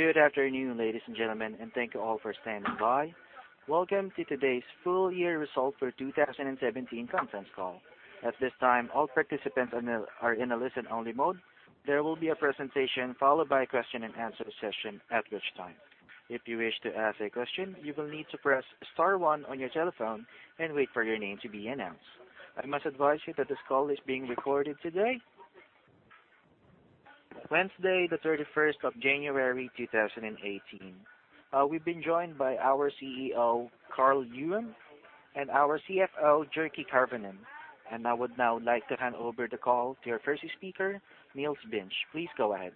Good afternoon, ladies and gentlemen. Thank you all for standing by. Welcome to today's full year result for 2017 conference call. At this time, all participants are in a listen-only mode. There will be a presentation followed by a question and answer session, at which time if you wish to ask a question, you will need to press star one on your telephone and wait for your name to be announced. I must advise you that this call is being recorded today, Wednesday, the 31st of January, 2018. We've been joined by our CEO, Karl-Johan, and our CFO, Jyrki Tervonen. I would now like to hand over the call to our first speaker, Nils Vinge. Please go ahead.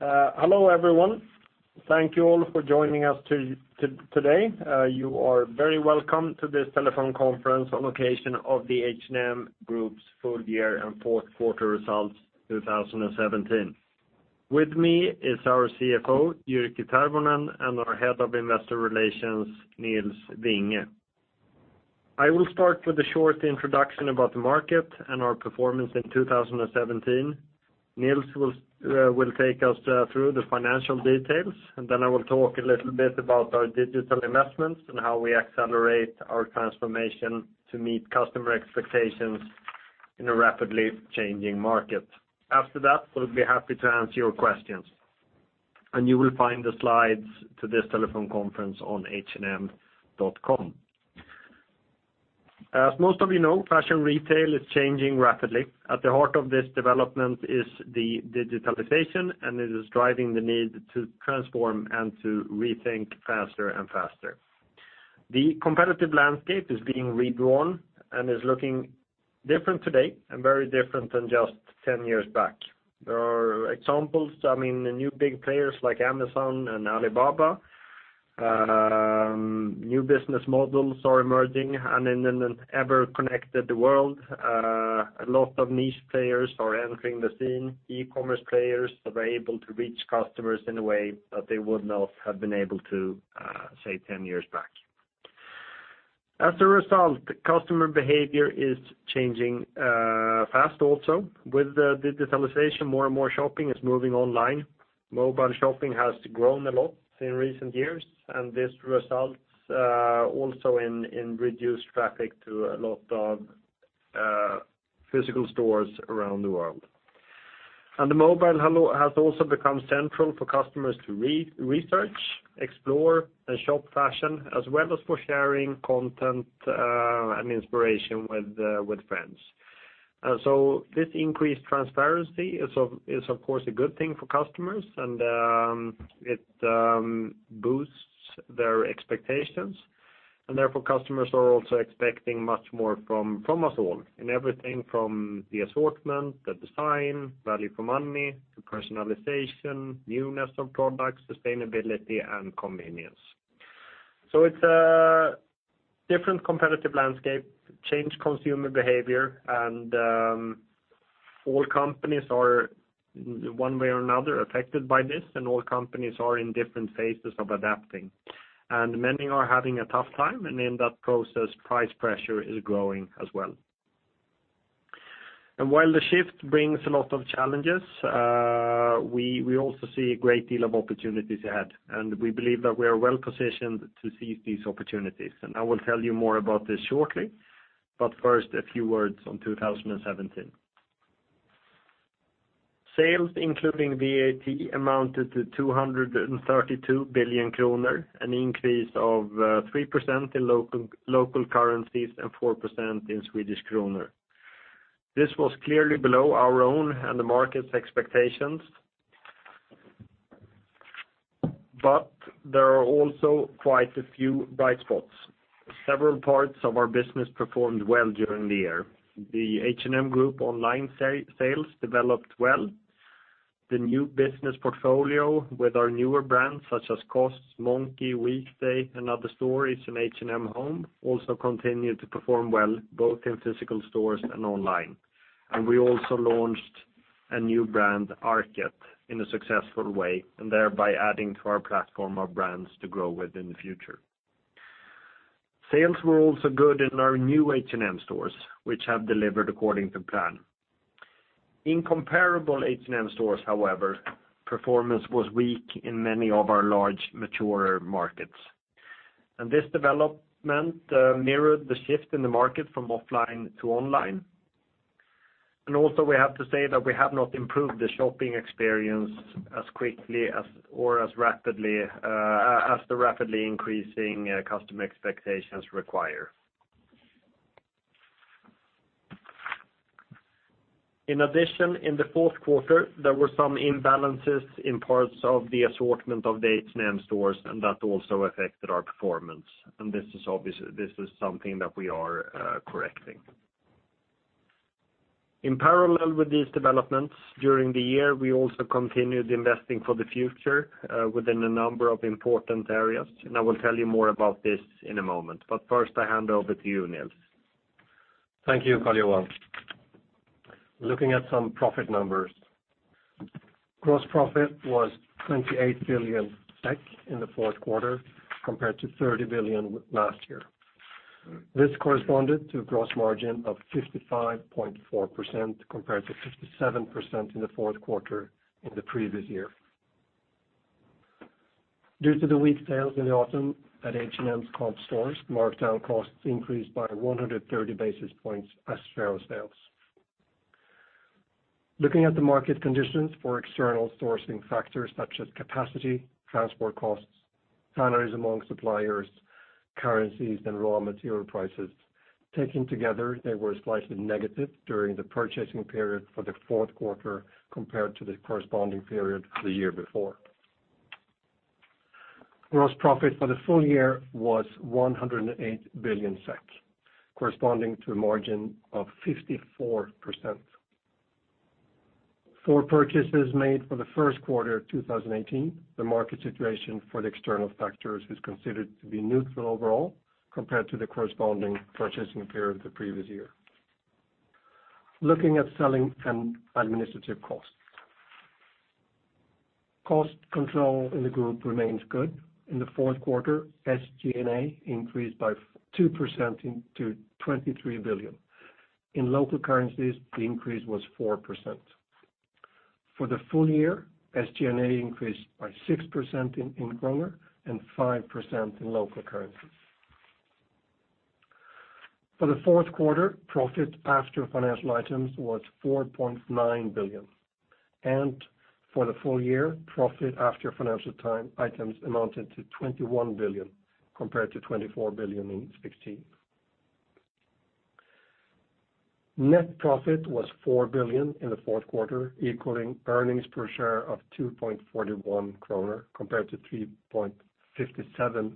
Hello, everyone. Thank you all for joining us today. You are very welcome to this telephone conference on location of the H&M group's full year and fourth quarter results 2017. With me is our CFO, Jyrki Tervonen, and our head of investor relations, Nils Vinge. I will start with a short introduction about the market and our performance in 2017. Nils will take us through the financial details. Then I will talk a little bit about our digital investments and how we accelerate our transformation to meet customer expectations in a rapidly changing market. After that, we'll be happy to answer your questions. You will find the slides to this telephone conference on hm.com. As most of you know, fashion retail is changing rapidly. At the heart of this development is the digitalization. It is driving the need to transform and to rethink faster and faster. The competitive landscape is being redrawn and is looking different today and very different than just 10 years back. There are examples, the new big players like Amazon and Alibaba, new business models are emerging and in an ever connected world. A lot of niche players are entering the scene. E-commerce players are able to reach customers in a way that they would not have been able to, say, 10 years back. As a result, customer behavior is changing fast also. With the digitalization, more and more shopping is moving online. Mobile shopping has grown a lot in recent years. This results also in reduced traffic to a lot of physical stores around the world. Mobile has also become central for customers to research, explore, and shop fashion, as well as for sharing content and inspiration with friends. This increased transparency is of course, a good thing for customers. It boosts their expectations. Therefore, customers are also expecting much more from us all in everything from the assortment, the design, value for money to personalization, newness of products, sustainability and convenience. It's a different competitive landscape, changed consumer behavior. All companies are one way or another affected by this. All companies are in different phases of adapting. Many are having a tough time. In that process, price pressure is growing as well. While the shift brings a lot of challenges, we also see a great deal of opportunities ahead. We believe that we are well positioned to seize these opportunities. I will tell you more about this shortly, but first, a few words on 2017. Sales, including VAT, amounted to 232 billion kronor, an increase of 3% in local currencies and 4% in Swedish krona. This was clearly below our own and the market's expectations. There are also quite a few bright spots. Several parts of our business performed well during the year. The H&M Group online sales developed well. The new business portfolio with our newer brands such as COS, Monki, Weekday, & Other Stories, and H&M Home also continued to perform well both in physical stores and online. We also launched a new brand, ARKET, in a successful way, thereby adding to our platform of brands to grow with in the future. Sales were also good in our new H&M stores, which have delivered according to plan. In comparable H&M stores, however, performance was weak in many of our large, maturer markets. This development mirrored the shift in the market from offline to online. Also, we have to say that we have not improved the shopping experience as quickly or as the rapidly increasing customer expectations require. In addition, in the fourth quarter, there were some imbalances in parts of the assortment of the H&M stores, that also affected our performance. This is something that we are correcting. In parallel with these developments during the year, we also continued investing for the future within a number of important areas, I will tell you more about this in a moment. First, I hand over to you, Nils. Thank you, Karl-Johan. Looking at some profit numbers. Gross profit was 28 billion SEK in the fourth quarter compared to 30 billion last year. This corresponded to a gross margin of 55.4% compared to 57% in the fourth quarter in the previous year. Due to the weak sales in the autumn at H&M's comp stores, markdown costs increased by 130 basis points as sales. Looking at the market conditions for external sourcing factors such as capacity, transport costs, salaries among suppliers, currencies, and raw material prices. Taken together, they were slightly negative during the purchasing period for the fourth quarter compared to the corresponding period the year before. Gross profit for the full year was 108 billion SEK, corresponding to a margin of 54%. For purchases made for the first quarter of 2018, the market situation for the external factors was considered to be neutral overall compared to the corresponding purchasing period the previous year. Looking at selling and administrative costs. Cost control in the group remains good. In the fourth quarter, SG&A increased by 2% to 23 billion. In local currencies, the increase was 4%. For the full year, SG&A increased by 6% in SEK and 5% in local currencies. For the fourth quarter, profit after financial items was 4.9 billion. For the full year, profit after financial items amounted to 21 billion compared to 24 billion in 2016. Net profit was 4 billion in the fourth quarter, equaling earnings per share of 2.41 kronor compared to 3.57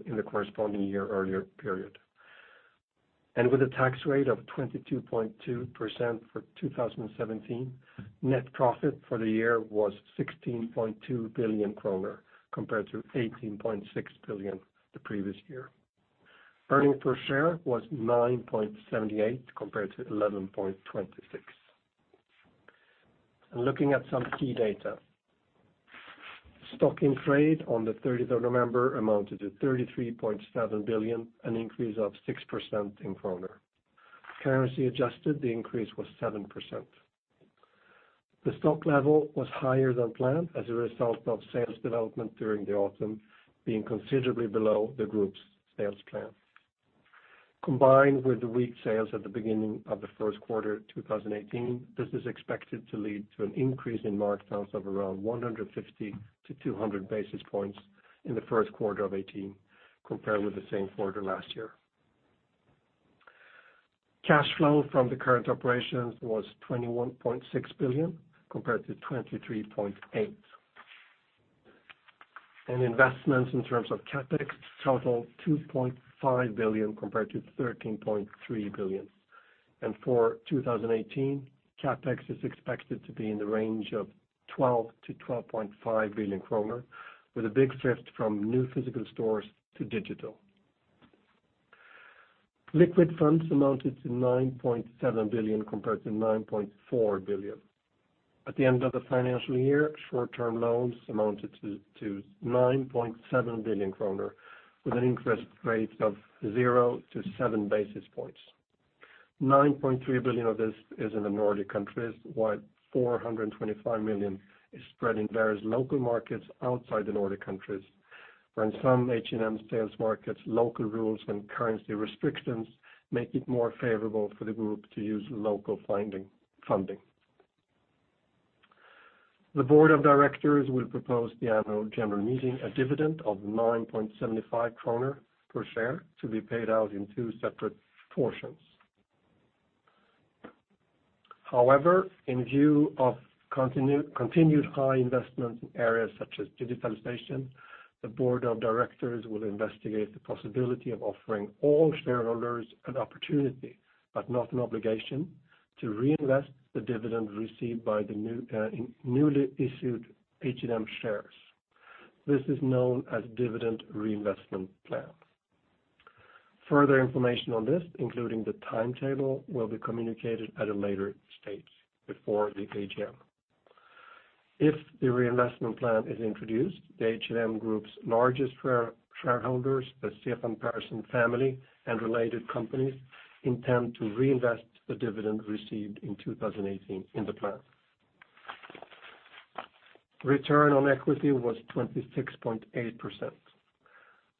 in the corresponding year earlier period. With a tax rate of 22.2% for 2017, net profit for the year was 16.2 billion kronor compared to 18.6 billion the previous year. Earnings per share was 9.78 compared to 11.26. Looking at some key data. Stock in trade on the 30th of November amounted to 33.7 billion, an increase of 6% in SEK. Currency adjusted, the increase was 7%. The stock level was higher than planned as a result of sales development during the autumn, being considerably below the group's sales plan. Combined with the weak sales at the beginning of the first quarter 2018, this is expected to lead to an increase in markdowns of around 150-200 basis points in the first quarter of 2018, compared with the same quarter last year. Cash flow from the current operations was 21.6 billion, compared to 23.8 billion. Investments in terms of CapEx totaled 2.5 billion, compared to 13.3 billion. For 2018, CapEx is expected to be in the range of 12 billion-12.5 billion kronor, with a big shift from new physical stores to digital. Liquid funds amounted to 9.7 billion, compared to 9.4 billion. At the end of the financial year, short-term loans amounted to 9.7 billion kronor, with an interest rate of 0-7 basis points. 9.3 billion of this is in the Nordic countries, while 425 million is spread in various local markets outside the Nordic countries. For in some H&M sales markets, local rules and currency restrictions make it more favorable for the group to use local funding. The board of directors will propose to the Annual General Meeting a dividend of 9.75 kronor per share to be paid out in two separate portions. In view of continued high investment in areas such as digitalization, the board of directors will investigate the possibility of offering all shareholders an opportunity, but not an obligation, to reinvest the dividend received by the newly issued H&M shares. This is known as dividend reinvestment plan. Further information on this, including the timetable, will be communicated at a later stage before the AGM. If the reinvestment plan is introduced, the H&M Group's largest shareholders, the Stefan Persson family and related companies, intend to reinvest the dividend received in 2018 in the plan. Return on equity was 26.8%.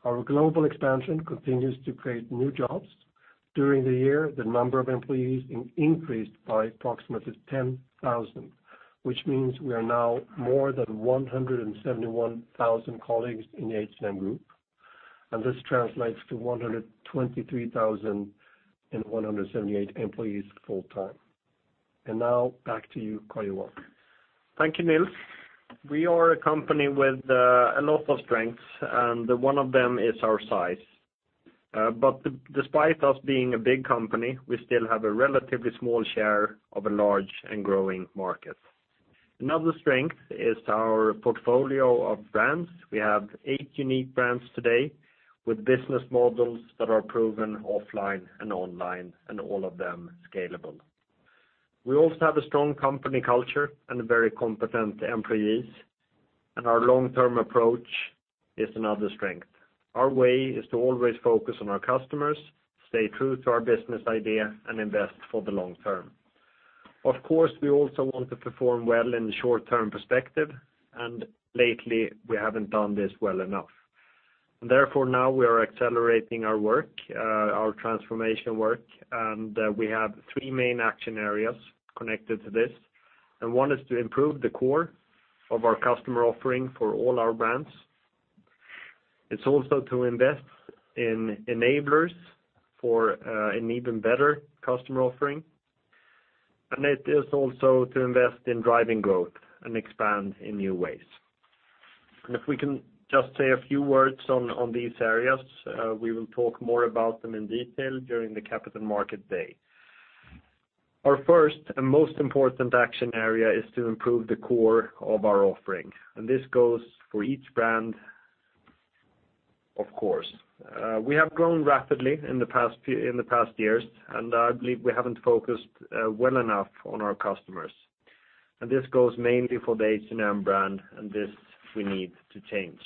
Our global expansion continues to create new jobs. During the year, the number of employees increased by approximately 10,000, which means we are now more than 171,000 colleagues in the H&M Group, and this translates to 123,178 employees full-time. Now back to you, Karl-Johan. Thank you, Nils. We are a company with a lot of strengths, one of them is our size. Despite us being a big company, we still have a relatively small share of a large and growing market. Another strength is our portfolio of brands. We have eight unique brands today with business models that are proven offline and online, all of them scalable. We also have a strong company culture and very competent employees, our long-term approach is another strength. Our way is to always focus on our customers, stay true to our business idea, invest for the long term. Of course, we also want to perform well in the short-term perspective, lately, we haven't done this well enough. Now we are accelerating our transformation work, we have three main action areas connected to this. One is to improve the core of our customer offering for all our brands. It's also to invest in enablers for an even better customer offering. It is also to invest in driving growth and expand in new ways. If we can just say a few words on these areas, we will talk more about them in detail during the Capital Markets Day. Our first and most important action area is to improve the core of our offering, and this goes for each brand, of course. We have grown rapidly in the past years, and I believe we haven't focused well enough on our customers. This goes mainly for the H&M brand, and this we need to change.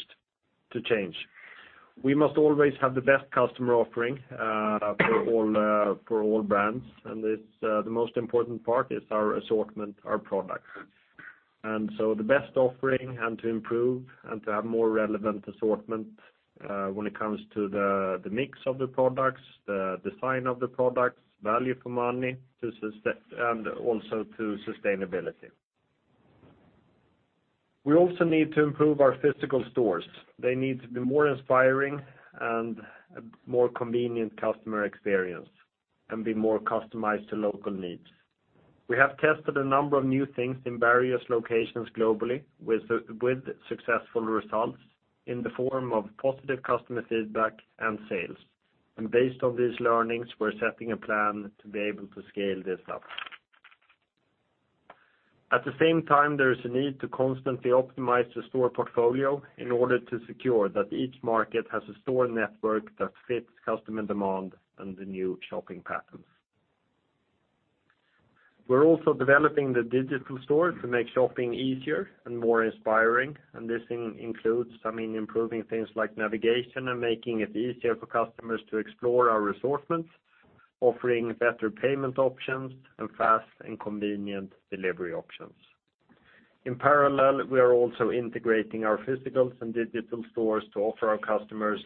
We must always have the best customer offering for all brands. The most important part is our assortment, our products. The best offering and to improve and to have more relevant assortment when it comes to the mix of the products, the design of the products, value for money, and also to sustainability. We also need to improve our physical stores. They need to be more inspiring and more convenient customer experience and be more customized to local needs. We have tested a number of new things in various locations globally with successful results in the form of positive customer feedback and sales. Based on these learnings, we're setting a plan to be able to scale this up. At the same time, there is a need to constantly optimize the store portfolio in order to secure that each market has a store network that fits customer demand and the new shopping patterns. We're also developing the digital store to make shopping easier and more inspiring, and this includes improving things like navigation and making it easier for customers to explore our assortments, offering better payment options, and fast and convenient delivery options. In parallel, we are also integrating our physical and digital stores to offer our customers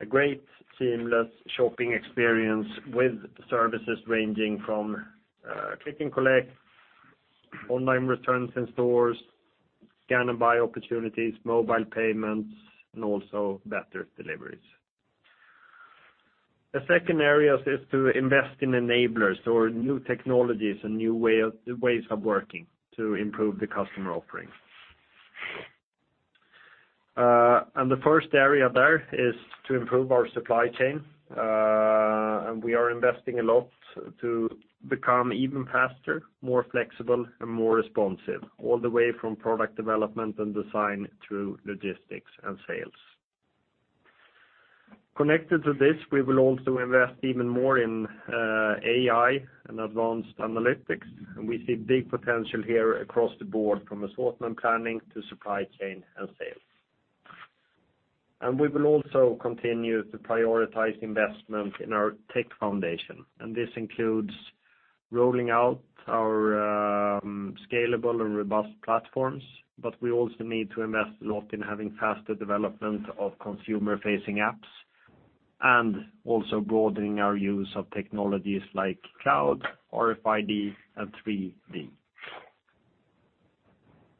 a great, seamless shopping experience with services ranging from click and collect, online returns in stores, scan and buy opportunities, mobile payments, and also better deliveries. The second area is to invest in enablers or new technologies and new ways of working to improve the customer offerings. The first area there is to improve our supply chain. We are investing a lot to become even faster, more flexible, and more responsive, all the way from product development and design through logistics and sales. Connected to this, we will also invest even more in AI and advanced analytics, and we see big potential here across the board from assortment planning to supply chain and sales. We will also continue to prioritize investment in our tech foundation, and this includes rolling out our scalable and robust platforms, but we also need to invest a lot in having faster development of consumer-facing apps and also broadening our use of technologies like cloud, RFID, and 3D.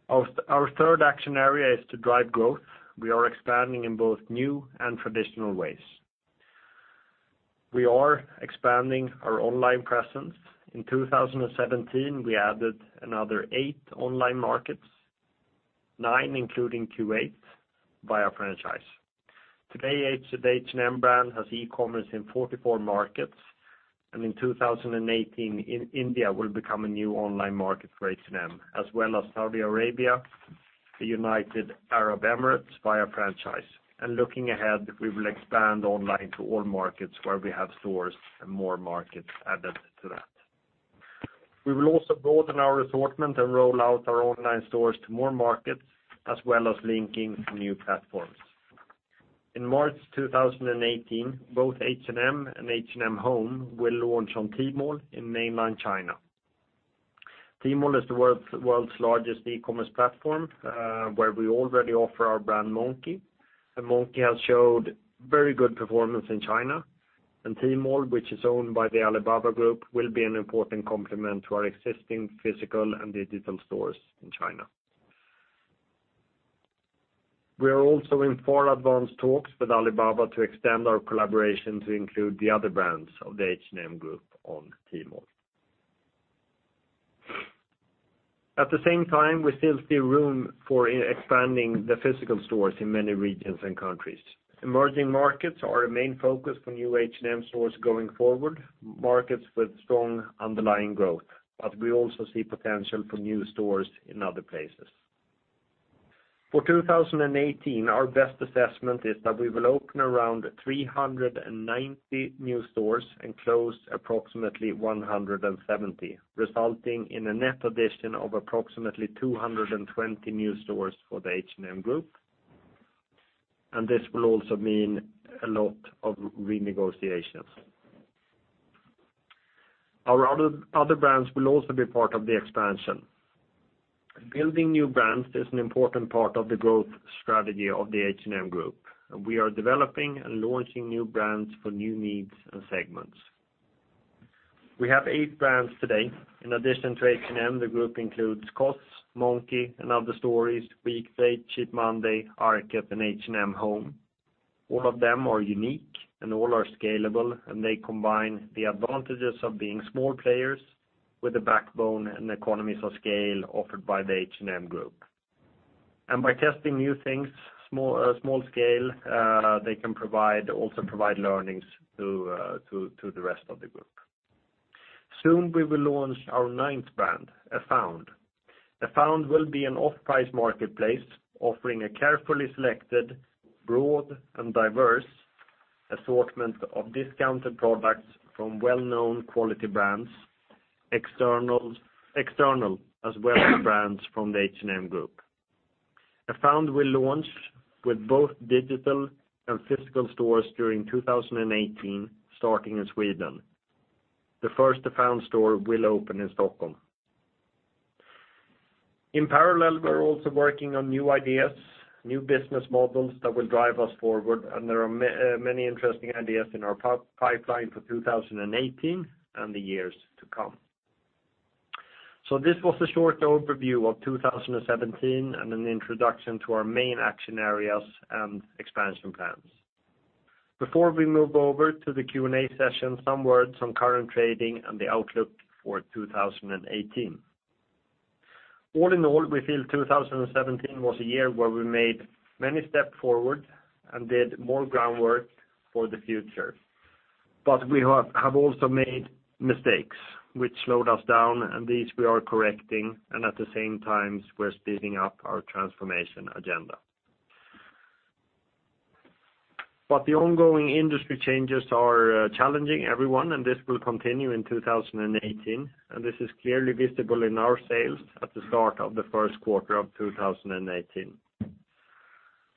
Our third action area is to drive growth. We are expanding in both new and traditional ways. We are expanding our online presence. In 2017, we added another eight online markets, nine including Kuwait, via franchise. Today, the H&M brand has e-commerce in 44 markets, and in 2018, India will become a new online market for H&M, as well as Saudi Arabia, the United Arab Emirates via franchise. Looking ahead, we will expand online to all markets where we have stores and more markets added to that. We will also broaden our assortment and roll out our online stores to more markets, as well as linking new platforms. In March 2018, both H&M and H&M Home will launch on Tmall in mainland China. Tmall is the world's largest e-commerce platform, where we already offer our brand Monki. Monki has showed very good performance in China. Tmall, which is owned by the Alibaba Group, will be an important complement to our existing physical and digital stores in China. We are also in far advanced talks with Alibaba to extend our collaboration to include the other brands of the H&M Group on Tmall. At the same time, we still see room for expanding the physical stores in many regions and countries. Emerging markets are a main focus for new H&M stores going forward, markets with strong underlying growth, but we also see potential for new stores in other places. For 2018, our best assessment is that we will open around 390 new stores and close approximately 170, resulting in a net addition of approximately 220 new stores for the H&M Group. This will also mean a lot of renegotiations. Our other brands will also be part of the expansion. Building new brands is an important part of the growth strategy of the H&M Group, we are developing and launching new brands for new needs and segments. We have eight brands today. In addition to H&M, the group includes COS, Monki, & Other Stories, Weekday, Cheap Monday, ARKET, and H&M Home. All of them are unique, all are scalable, they combine the advantages of being small players with the backbone and economies of scale offered by the H&M Group. By testing new things small scale, they can also provide learnings to the rest of the group. Soon we will launch our ninth brand, Afound. Afound will be an off-price marketplace offering a carefully selected, broad and diverse assortment of discounted products from well-known quality brands, external as well as brands from the H&M Group. Afound will launch with both digital and physical stores during 2018, starting in Sweden. The first Afound store will open in Stockholm. In parallel, we're also working on new ideas, new business models that will drive us forward, there are many interesting ideas in our pipeline for 2018 and the years to come. This was a short overview of 2017 and an introduction to our main action areas and expansion plans. Before we move over to the Q&A session, some words on current trading and the outlook for 2018. All in all, we feel 2017 was a year where we made many steps forward and did more groundwork for the future. We have also made mistakes which slowed us down, these we are correcting, at the same time, we're speeding up our transformation agenda. The ongoing industry changes are challenging everyone, this will continue in 2018, this is clearly visible in our sales at the start of the first quarter of 2018.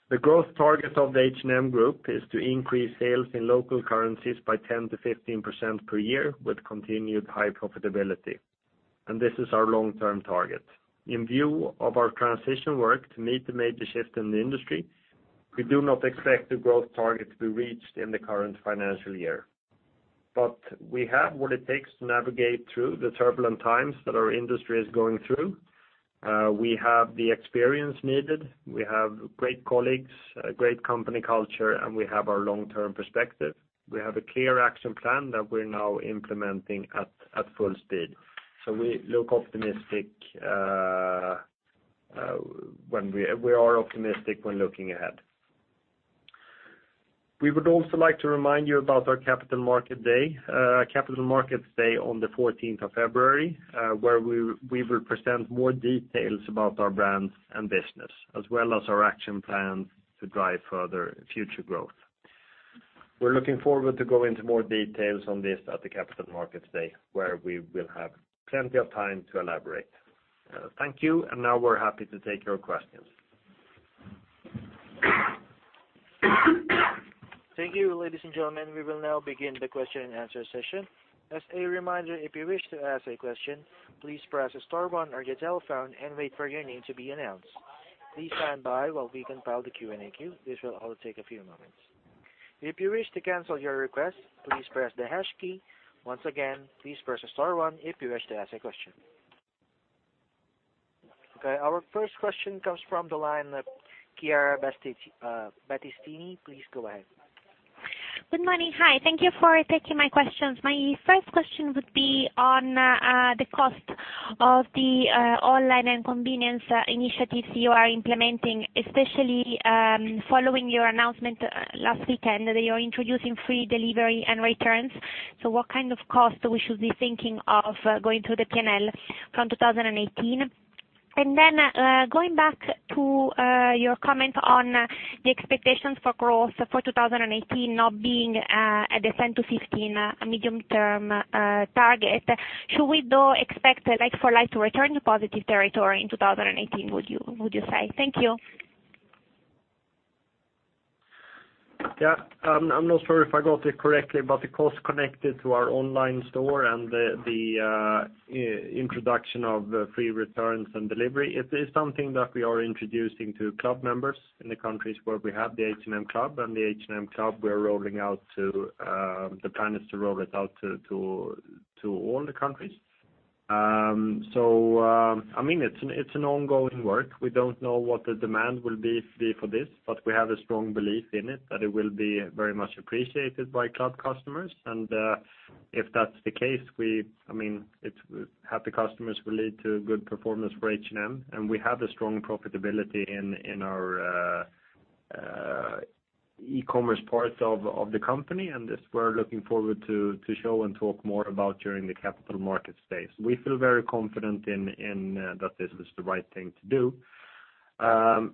The growth target of the H&M Group is to increase sales in local currencies by 10%-15% per year, with continued high profitability. This is our long-term target. In view of our transition work to meet the major shift in the industry, we do not expect the growth target to be reached in the current financial year. We have what it takes to navigate through the turbulent times that our industry is going through. We have the experience needed. We have great colleagues, a great company culture, and we have our long-term perspective. We have a clear action plan that we're now implementing at full speed. We look optimistic. We are optimistic when looking ahead. We would also like to remind you about our Capital Markets Day on the 14th of February, where we will present more details about our brands and business, as well as our action plans to drive further future growth. We're looking forward to go into more details on this at the Capital Markets Day, where we will have plenty of time to elaborate. Thank you. Now we're happy to take your questions. Thank you. Ladies and gentlemen, we will now begin the question and answer session. As a reminder, if you wish to ask a question, please press star 1 on your telephone and wait for your name to be announced. Please stand by while we compile the Q&A queue. This will all take a few moments. If you wish to cancel your request, please press the hash key. Once again, please press star 1 if you wish to ask a question. Our first question comes from the line, Chiara Battistini, please go ahead. Good morning. Hi, thank you for taking my questions. My first question would be on the cost of the online and convenience initiatives you are implementing, especially following your announcement last weekend that you're introducing free delivery and returns. What kind of cost we should be thinking of going through the P&L from 2018? Going back to your comment on the expectations for growth for 2018 not being a 10%-15% medium-term target. Should we, though, expect like for like to return to positive territory in 2018, would you say? Thank you. Yeah. I'm not sure if I got it correctly, the cost connected to our online store and the introduction of free returns and delivery, it is something that we are introducing to club members in the countries where we have the H&M Club. The H&M Club, the plan is to roll it out to all the countries. It's an ongoing work. We don't know what the demand will be for this, but we have a strong belief in it that it will be very much appreciated by club customers. If that's the case, happy customers will lead to good performance for H&M, and we have a strong profitability in our E-commerce parts of the company, and this we're looking forward to show and talk more about during the capital market stage. We feel very confident that this is the right thing to do.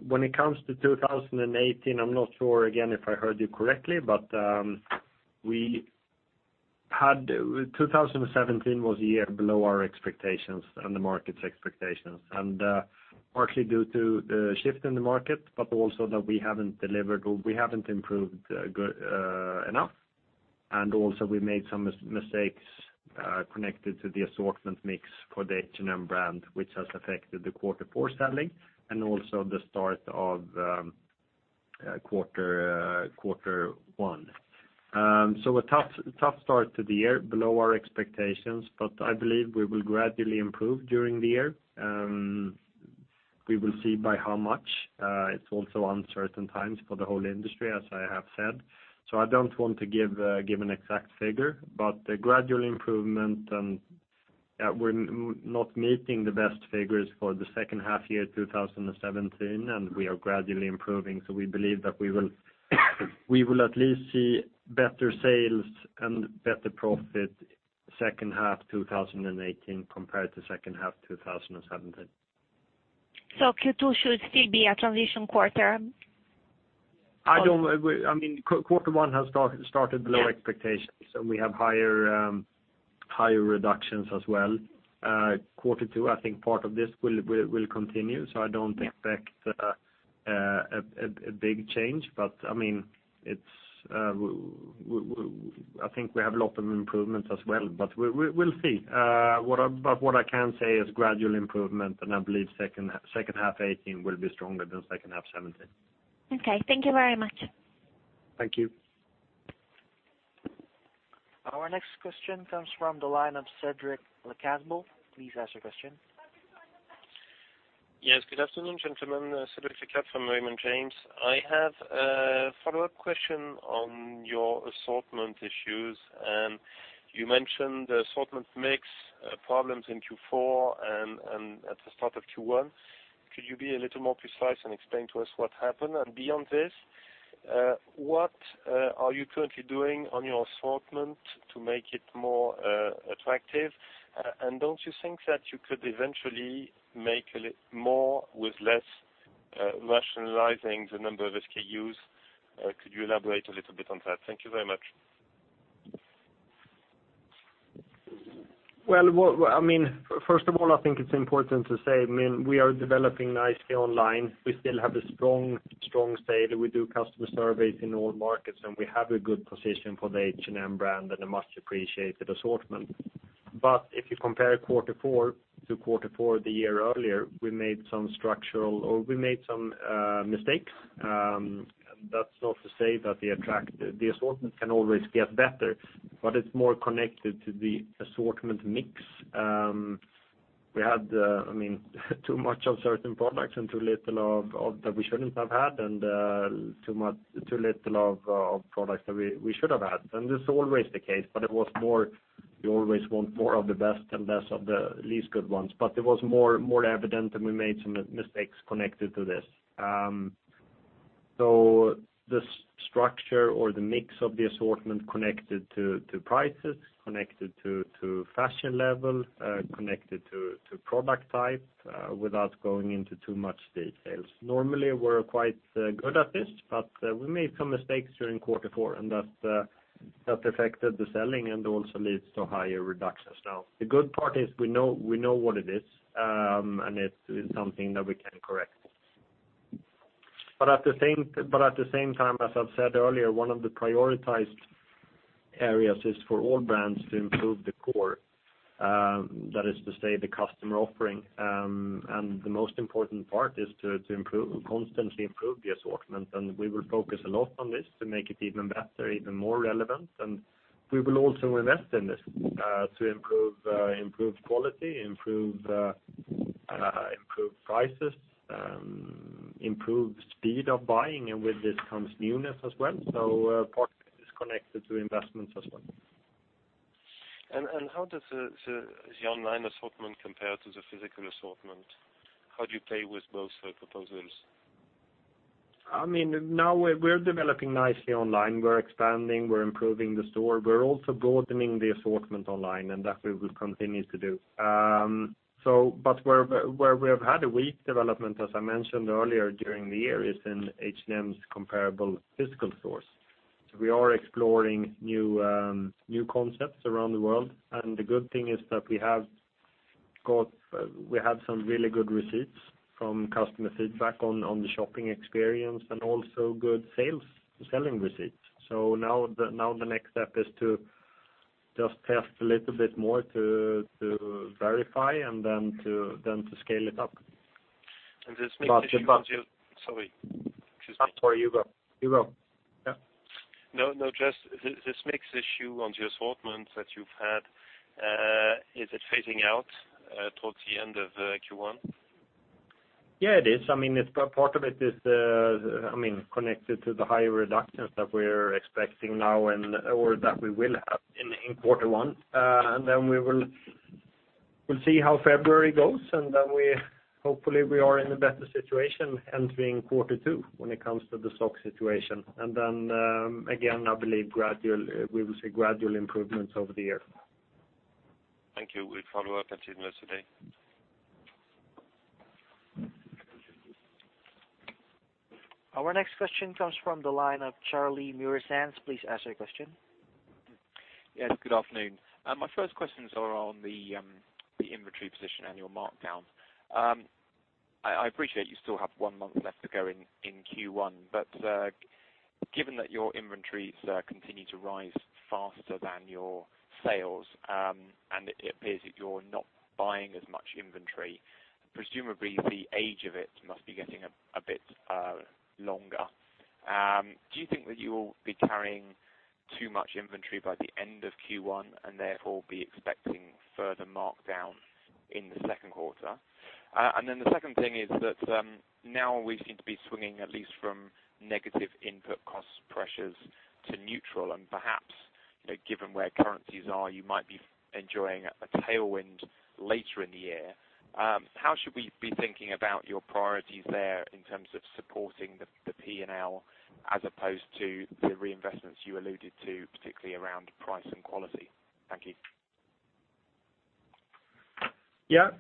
When it comes to 2018, I'm not sure, again, if I heard you correctly, but 2017 was a year below our expectations and the market's expectations. Partially due to the shift in the market, but also that we haven't improved enough. Also we made some mistakes, connected to the assortment mix for the H&M brand, which has affected the quarter four selling, and also the start of quarter one. A tough start to the year, below our expectations, but I believe we will gradually improve during the year. We will see by how much. It's also uncertain times for the whole industry, as I have said. I don't want to give an exact figure, but the gradual improvement and we're not meeting the best figures for the second half year 2017, and we are gradually improving. We believe that we will at least see better sales and better profit second half 2018 compared to second half 2017. Q2 should still be a transition quarter? Quarter one has started below expectations, and we have higher reductions as well. Quarter two, I think part of this will continue. I don't expect a big change. I think we have a lot of improvements as well. We'll see. What I can say is gradual improvement, and I believe second half 2018 will be stronger than second half 2017. Okay. Thank you very much. Thank you. Our next question comes from the line of Cedric Lecasble. Please ask your question. Yes, good afternoon, gentlemen. Cedric Lecasble from Raymond James. I have a follow-up question on your assortment issues. You mentioned assortment mix problems in Q4 and at the start of Q1. Could you be a little more precise and explain to us what happened? Beyond this, what are you currently doing on your assortment to make it more attractive? Don't you think that you could eventually make a little more with less, rationalizing the number of SKUs? Could you elaborate a little bit on that? Thank you very much. Well, first of all, I think it's important to say, we are developing nicely online. We still have a strong sale. We do customer surveys in all markets, and we have a good position for the H&M brand and a much-appreciated assortment. If you compare quarter four to quarter four the year earlier, we made some mistakes. That's not to say that the assortment can always get better, but it's more connected to the assortment mix. We had too much of certain products and too little of that we shouldn't have had, and too little of products that we should have had. This is always the case, but you always want more of the best and less of the least good ones. It was more evident, and we made some mistakes connected to this. The structure or the mix of the assortment connected to prices, connected to fashion level, connected to product type, without going into too much details. Normally, we're quite good at this, but we made some mistakes during quarter four, and that affected the selling and also leads to higher reductions. Now, the good part is we know what it is, and it is something that we can correct. At the same time, as I've said earlier, one of the prioritized areas is for all brands to improve the core. That is to say, the customer offering. The most important part is to constantly improve the assortment, and we will focus a lot on this to make it even better, even more relevant. We will also invest in this, to improve quality, improve prices, improve speed of buying, and with this comes newness as well. Part of it is connected to investments as well. How does the online assortment compare to the physical assortment? How do you play with both proposals? We're developing nicely online. We're expanding, we're improving the store. We're also broadening the assortment online, and that we will continue to do. Where we have had a weak development, as I mentioned earlier during the year, is in H&M's comparable physical stores. We are exploring new concepts around the world, and the good thing is that we have some really good receipts from customer feedback on the shopping experience and also good sales, selling receipts. Now the next step is to just test a little bit more to verify and then to scale it up. This mix issue on your- But- Sorry. Excuse me. No, you go. You go. Yeah. Just this mix issue on the assortment that you've had, is it phasing out towards the end of Q1? It is. Part of it is connected to the higher reductions that we're expecting now or that we will have in quarter one. We'll see how February goes, and then hopefully we are in a better situation entering quarter two when it comes to the stock situation. Again, I believe we will see gradual improvements over the year. Thank you. We follow up at today. Our next question comes from the line of Charlie Muresan. Please ask your question. Yes, good afternoon. My first questions are on the inventory position and your markdowns. I appreciate you still have one month left to go in Q1. Given that your inventories continue to rise faster than your sales, and it appears that you're not buying as much inventory, presumably the age of it must be getting a bit longer. Do you think that you will be carrying too much inventory by the end of Q1, and therefore be expecting further markdown in the second quarter? The second thing is that now we seem to be swinging at least from negative input cost pressures to neutral and perhaps, given where currencies are, you might be enjoying a tailwind later in the year. How should we be thinking about your priorities there in terms of supporting the P&L as opposed to the reinvestments you alluded to, particularly around price and quality? Thank you. Yeah.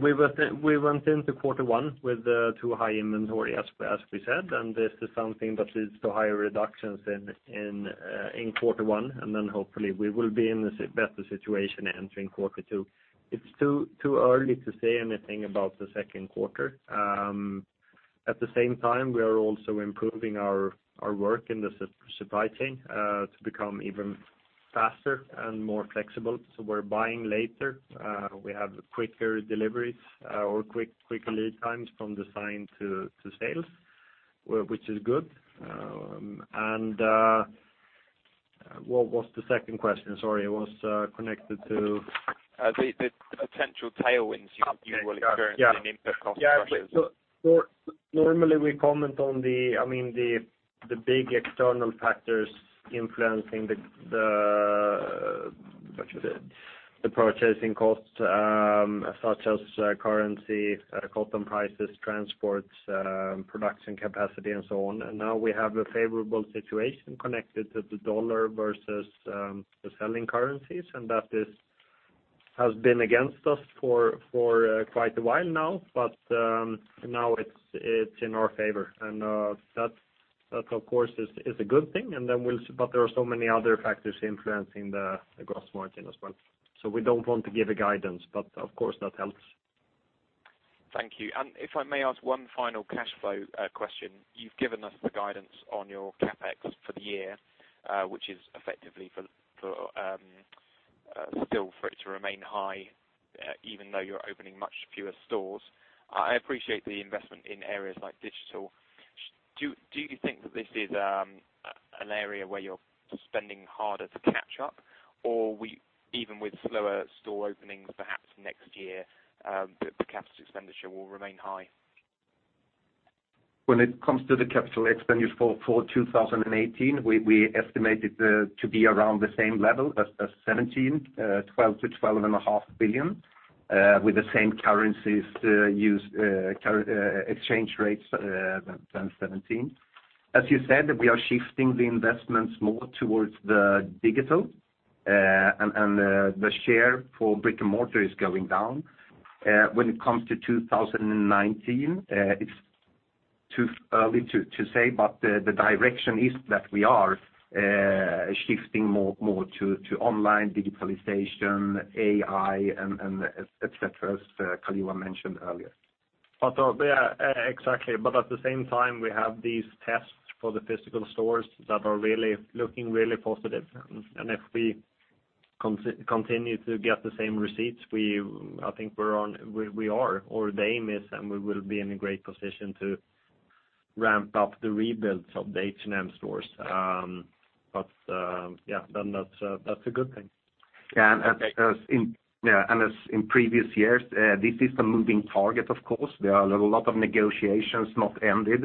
We went into quarter one with too high inventory, as we said. This is something that leads to higher reductions in quarter one, and then hopefully we will be in the better situation entering quarter two. It's too early to say anything about the second quarter. At the same time, we are also improving our work in the supply chain to become even faster and more flexible. We're buying later. We have quicker deliveries or quick lead times from design to sales, which is good. What was the second question? Sorry. It was connected to The potential tailwinds you will experience. Yeah in input cost pressures. Yeah. Normally we comment on the big external factors influencing the purchasing costs, such as currency, cotton prices, transports, production capacity and so on. Now we have a favorable situation connected to the dollar versus the selling currencies, and that has been against us for quite a while now, but now it's in our favor. That, of course, is a good thing. There are so many other factors influencing the gross margin as well. We don't want to give a guidance, but of course that helps. Thank you. If I may ask one final cash flow question. You've given us the guidance on your CapEx for the year, which is effectively for it to remain high, even though you're opening much fewer stores. I appreciate the investment in areas like digital. Do you think that this is an area where you're spending harder to catch up? Or even with slower store openings perhaps next year, the capital expenditure will remain high? When it comes to the capital expenditure for 2018, we estimate it to be around the same level as 2017, 12 billion to 12.5 billion, with the same currencies exchange rates than 2017. As you said, we are shifting the investments more towards the digital, and the share for brick and mortar is going down. When it comes to 2019, it's too early to say, the direction is that we are shifting more to online digitalization, AI, and et cetera, as Karl-Johan mentioned earlier. Exactly. At the same time, we have these tests for the physical stores that are looking really positive. If we continue to get the same receipts, I think our aim is, and we will be in a great position to ramp up the rebuilds of the H&M stores. Yeah. That's a good thing. Yeah. As in previous years, this is the moving target, of course. There are a lot of negotiations not ended.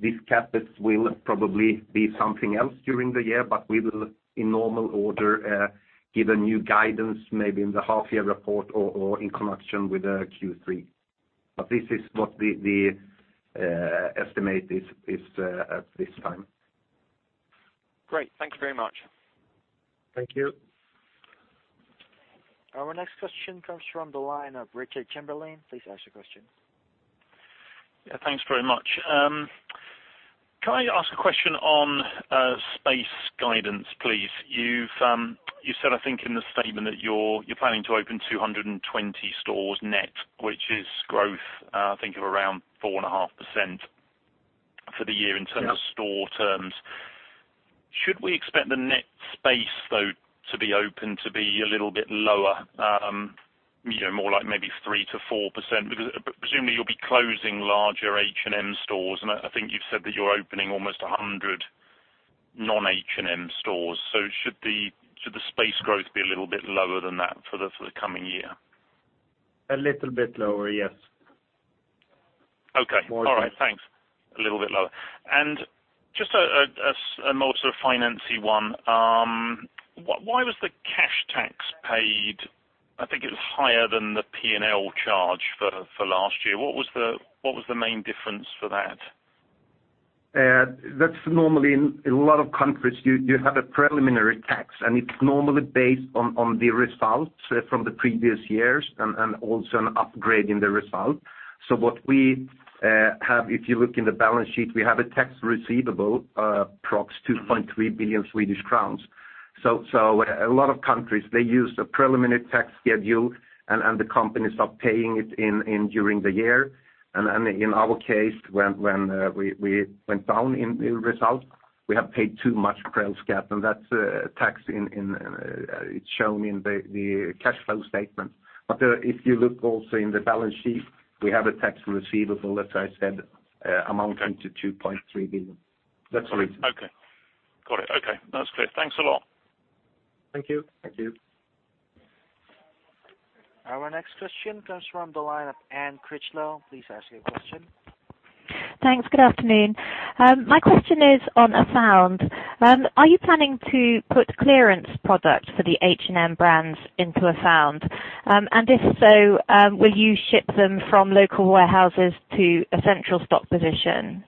This CapEx will probably be something else during the year, we will, in normal order, give a new guidance maybe in the half year report or in connection with the Q3. This is what the estimate is at this time. Great. Thank you very much. Thank you. Our next question comes from the line of Richard Chamberlain. Please ask your question. Yeah. Thanks very much. Can I ask a question on space guidance, please? You said, I think in the statement that you're planning to open 220 stores net, which is growth, I think, of around 4.5% for the year in terms- Yep of store terms. Should we expect the net space, though, to be open to be a little bit lower, more like maybe 3%-4%? Because presumably you'll be closing larger H&M stores, and I think you've said that you're opening almost 100 non-H&M stores. Should the space growth be a little bit lower than that for the coming year? A little bit lower, yes Okay. All right. Thanks. A little bit lower. Just a more sort of financy one. Why was the cash tax paid, I think it was higher than the P&L charge for last year. What was the main difference for that? That's normally, in a lot of countries, you have a preliminary tax, it's normally based on the results from the previous years and also an upgrade in the result. What we have, if you look in the balance sheet, we have a tax receivable, approx 2.3 billion Swedish crowns. A lot of countries, they use a preliminary tax schedule and the companies are paying it in during the year. In our case, when we went down in result, we have paid too much prep tax, and that's a tax shown in the cash flow statement. If you look also in the balance sheet, we have a tax receivable, as I said, amounting to 2.3 billion. That's the reason. Okay. Got it. Okay. That's clear. Thanks a lot. Thank you. Thank you. Our next question comes from the line of Anne Critchlow. Please ask your question. Thanks. Good afternoon. My question is on Afound. Are you planning to put clearance products for the H&M brands into Afound? If so, will you ship them from local warehouses to a central stock position?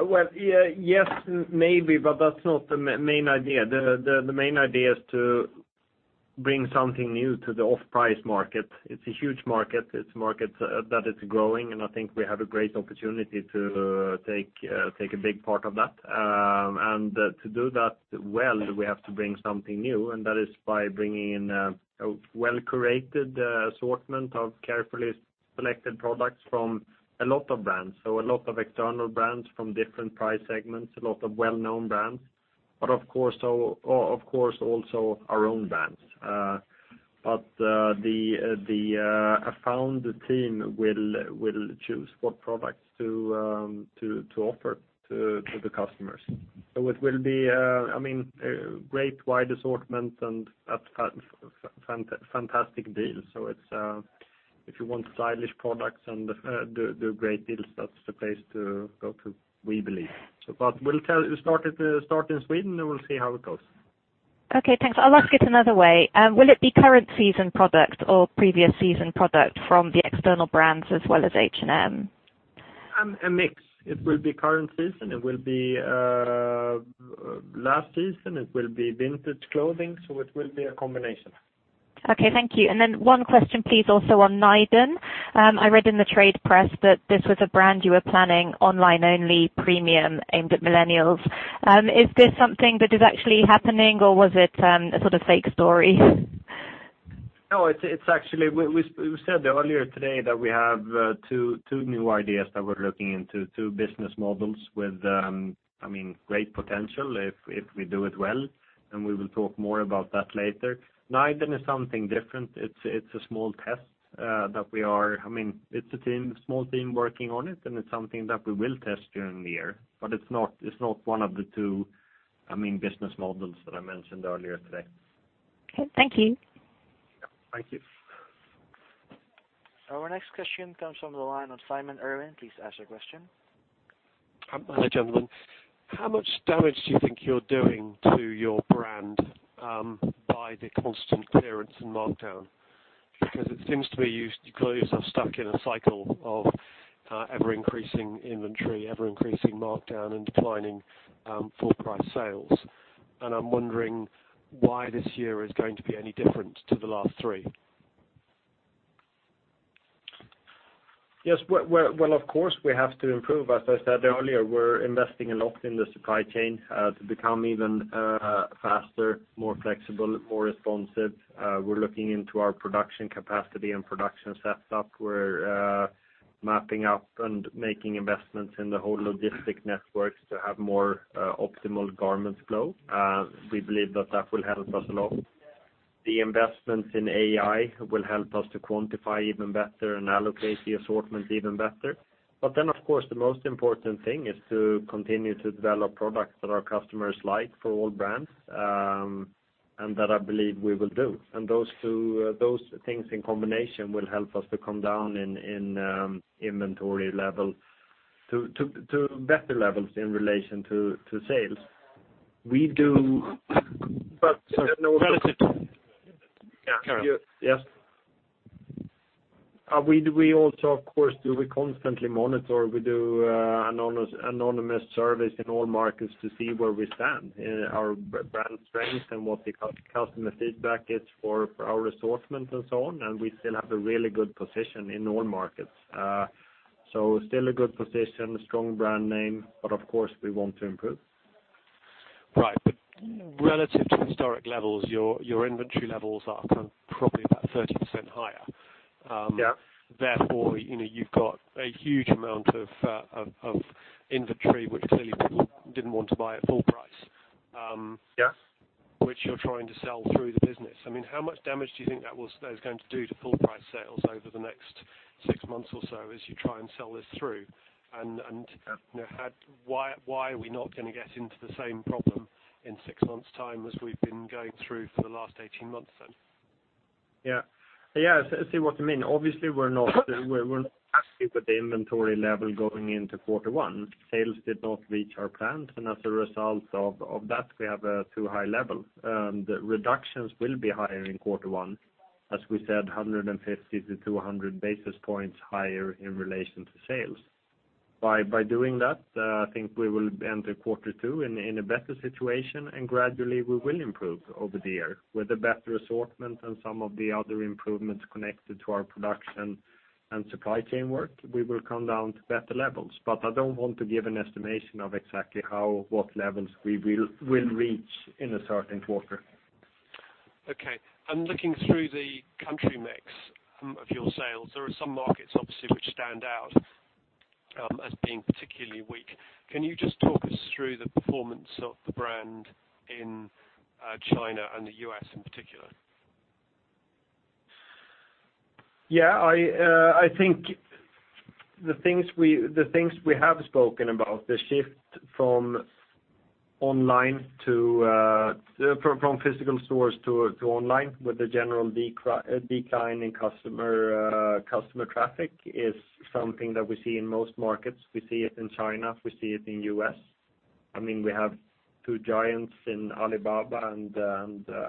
Well, yes, maybe, that's not the main idea. The main idea is to bring something new to the off-price market. It's a huge market. It's a market that is growing, I think we have a great opportunity to take a big part of that. To do that well, we have to bring something new, and that is by bringing in a well-curated assortment of carefully selected products from a lot of brands. A lot of external brands from different price segments, a lot of well-known brands. Of course, also our own brands. The Afound team will choose what products to offer to the customers. It will be a great wide assortment and at fantastic deals. If you want stylish products and do great deals, that's the place to go to, we believe. We'll start in Sweden, and we'll see how it goes. Okay, thanks. I'll ask it another way. Will it be current season product or previous season product from the external brands as well as H&M? A mix. It will be current season, it will be last season, it will be vintage clothing, it will be a combination. Okay, thank you. One question, please, also on Nyden. I read in the trade press that this was a brand you were planning online only, premium, aimed at millennials. Is this something that is actually happening or was it a sort of fake story? No, we said earlier today that we have two new ideas that we're looking into, two business models with great potential if we do it well. We will talk more about that later. Nyden is something different. It's a small test. It's a small team working on it. It's something that we will test during the year. It's not one of the two business models that I mentioned earlier today. Okay. Thank you. Thank you. Our next question comes from the line of Simon Irwin. Please ask your question. Hello, gentlemen. How much damage do you think you're doing to your brand by the constant clearance and markdown? It seems to me you've got yourself stuck in a cycle of ever-increasing inventory, ever-increasing markdown, and declining full price sales. I'm wondering why this year is going to be any different to the last three. Yes. Of course, we have to improve. As I said earlier, we're investing a lot in the supply chain to become even faster, more flexible, more responsive. We're looking into our production capacity and production setup. We're mapping out and making investments in the whole logistic networks to have more optimal garment flow. We believe that that will help us a lot. The investments in AI will help us to quantify even better and allocate the assortment even better. Of course, the most important thing is to continue to develop products that our customers like for all brands, and that I believe we will do. Those things in combination will help us to come down in inventory level to better levels in relation to sales. But relative to-- Yeah. Carry on. Yes. We also, of course, do constantly monitor. We do anonymous surveys in all markets to see where we stand, our brand strength, and what the customer feedback is for our assortment and so on. We still have a really good position in all markets. Still a good position, a strong brand name, but of course we want to improve. Right. Relative to historic levels, your inventory levels are probably about 30% higher. Yeah. Therefore, you've got a huge amount of inventory, which clearly people didn't want to buy at full price. Yes which you're trying to sell through the business. How much damage do you think that is going to do to full price sales over the next six months or so as you try and sell this through? Yeah Why are we not going to get into the same problem in six months' time as we've been going through for the last 18 months then? Yeah. I see what you mean. Obviously, we're not happy with the inventory level going into Q1. Sales did not reach our plans, as a result of that, we have a too high level. The reductions will be higher in Q1, as we said, 150-200 basis points higher in relation to sales. By doing that, I think we will enter Q2 in a better situation, and gradually we will improve over the year. With a better assortment and some of the other improvements connected to our production and supply chain work, we will come down to better levels. I don't want to give an estimation of exactly what levels we will reach in a certain quarter. Okay. Looking through the country mix of your sales, there are some markets obviously which stand out as being particularly weak. Can you just talk us through the performance of the brand in China and the U.S. in particular? Yeah. I think the things we have spoken about, the shift from physical stores to online, with the general decline in customer traffic, is something that we see in most markets. We see it in China, we see it in U.S. We have two giants in Alibaba and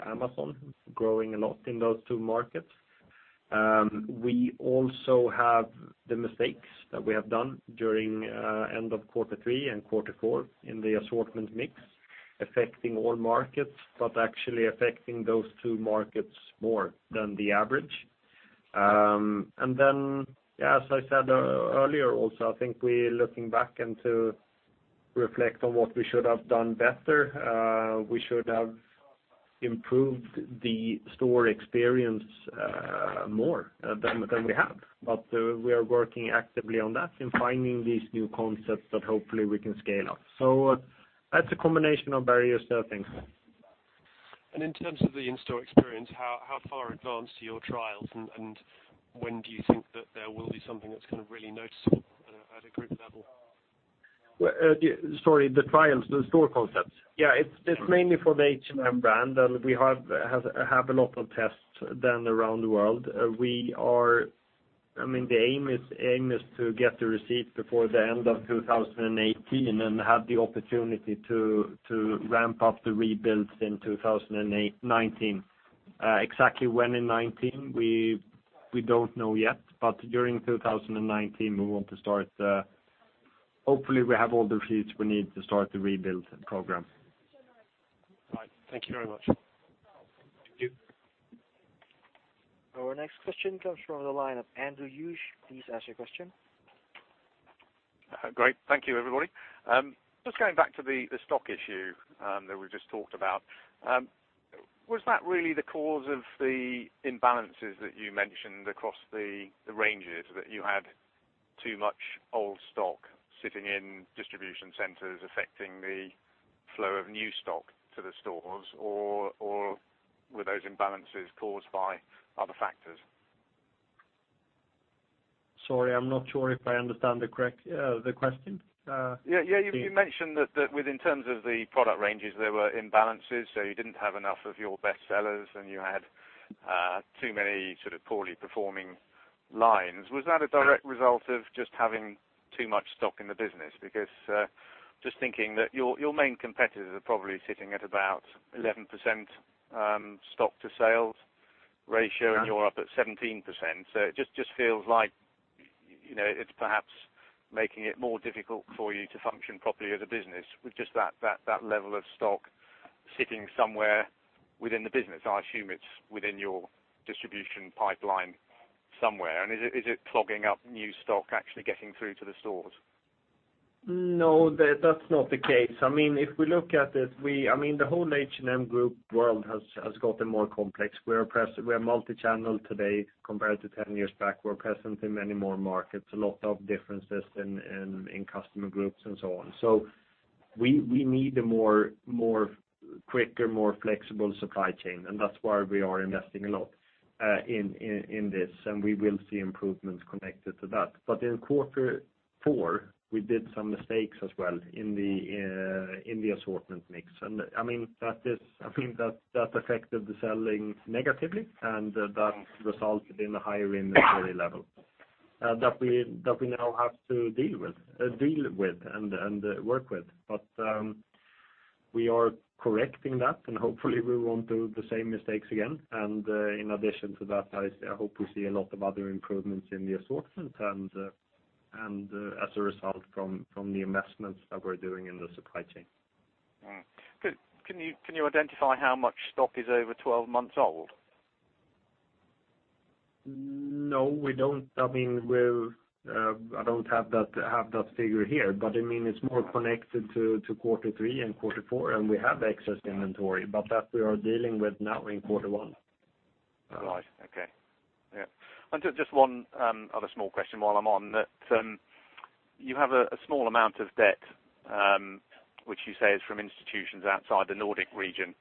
Amazon growing a lot in those two markets. We also have the mistakes that we have done during end of Q3 and Q4 in the assortment mix, affecting all markets, but actually affecting those two markets more than the average. Then, as I said earlier also, I think we, looking back and to reflect on what we should have done better, we should have improved the store experience more than we have. We are working actively on that, in finding these new concepts that hopefully we can scale up. That's a combination of various things. In terms of the in-store experience, how far advanced are your trials, and when do you think that there will be something that's really noticeable at a group level? Sorry, the trials, the store concepts? Yeah, it's mainly for the H&M brand. We have a lot of tests done around the world. The aim is to get the receipt before the end of 2018 and have the opportunity to ramp up the rebuilds in 2019. Exactly when in 2019, we don't know yet. During 2019, hopefully we have all the receipts we need to start the rebuild program. Right. Thank you very much. Thank you. Our next question comes from the line of Andrew Uge. Please ask your question. Great. Thank you, everybody. Just going back to the stock issue that we just talked about. Was that really the cause of the imbalances that you mentioned across the ranges, that you had too much old stock sitting in distribution centers affecting the flow of new stock to the stores, or were those imbalances caused by other factors? Sorry, I'm not sure if I understand the question. Yeah. You mentioned that in terms of the product ranges, there were imbalances, so you didn't have enough of your best sellers and you had too many poorly performing lines. Was that a direct result of just having too much stock in the business? Because just thinking that your main competitors are probably sitting at about 11% stock to sales ratio, and you're up at 17%. It just feels like it's perhaps making it more difficult for you to function properly as a business with just that level of stock sitting somewhere within the business. I assume it's within your distribution pipeline somewhere. Is it clogging up new stock actually getting through to the stores? No, that's not the case. If we look at this, the whole H&M Group world has gotten more complex. We're multichannel today compared to 10 years back. We're present in many more markets, a lot of differences in customer groups and so on. We need a quicker, more flexible supply chain, and that's why we are investing a lot in this, and we will see improvements connected to that. In Q4, we did some mistakes as well in the assortment mix. That affected the selling negatively, and that resulted in a higher inventory level that we now have to deal with and work with. We are correcting that, and hopefully we won't do the same mistakes again. In addition to that, I hope we see a lot of other improvements in the assortment and as a result from the investments that we're doing in the supply chain. Can you identify how much stock is over 12 months old? No, we don't. I don't have that figure here. It's more connected to Q3 and Q4. We have excess inventory, that we are dealing with now in Q1. Right. Okay. Yeah. Just one other small question while I'm on that. You have a small amount of debt, which you say is from institutions outside the Nordic region.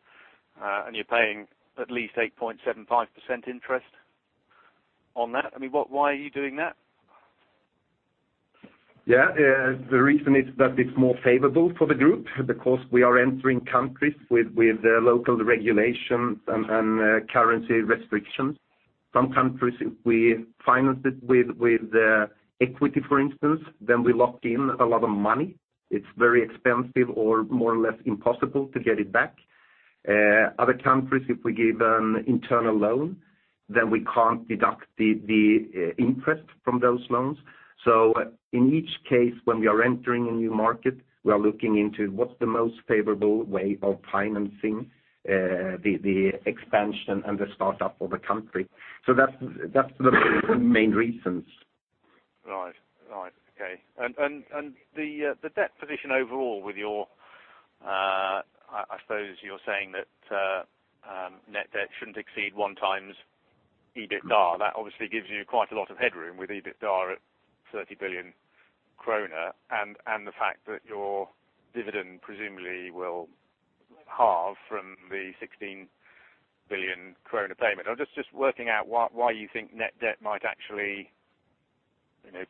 You're paying at least 8.75% interest on that. Why are you doing that? Yeah. The reason is that it's more favorable for the group because we are entering countries with local regulations and currency restrictions. Some countries we financed it with equity, for instance, then we locked in a lot of money. It's very expensive or more or less impossible to get it back. Other countries, if we give an internal loan, then we can't deduct the interest from those loans. In each case, when we are entering a new market, we are looking into what's the most favorable way of financing the expansion and the startup of a country. That's the main reasons. Right. Okay. The debt position overall with your, I suppose you're saying that net debt shouldn't exceed one times EBITDA. That obviously gives you quite a lot of headroom with EBITDA at 30 billion kronor and the fact that your dividend presumably will halve from the 16 billion krona payment. I'm just working out why you think net debt might actually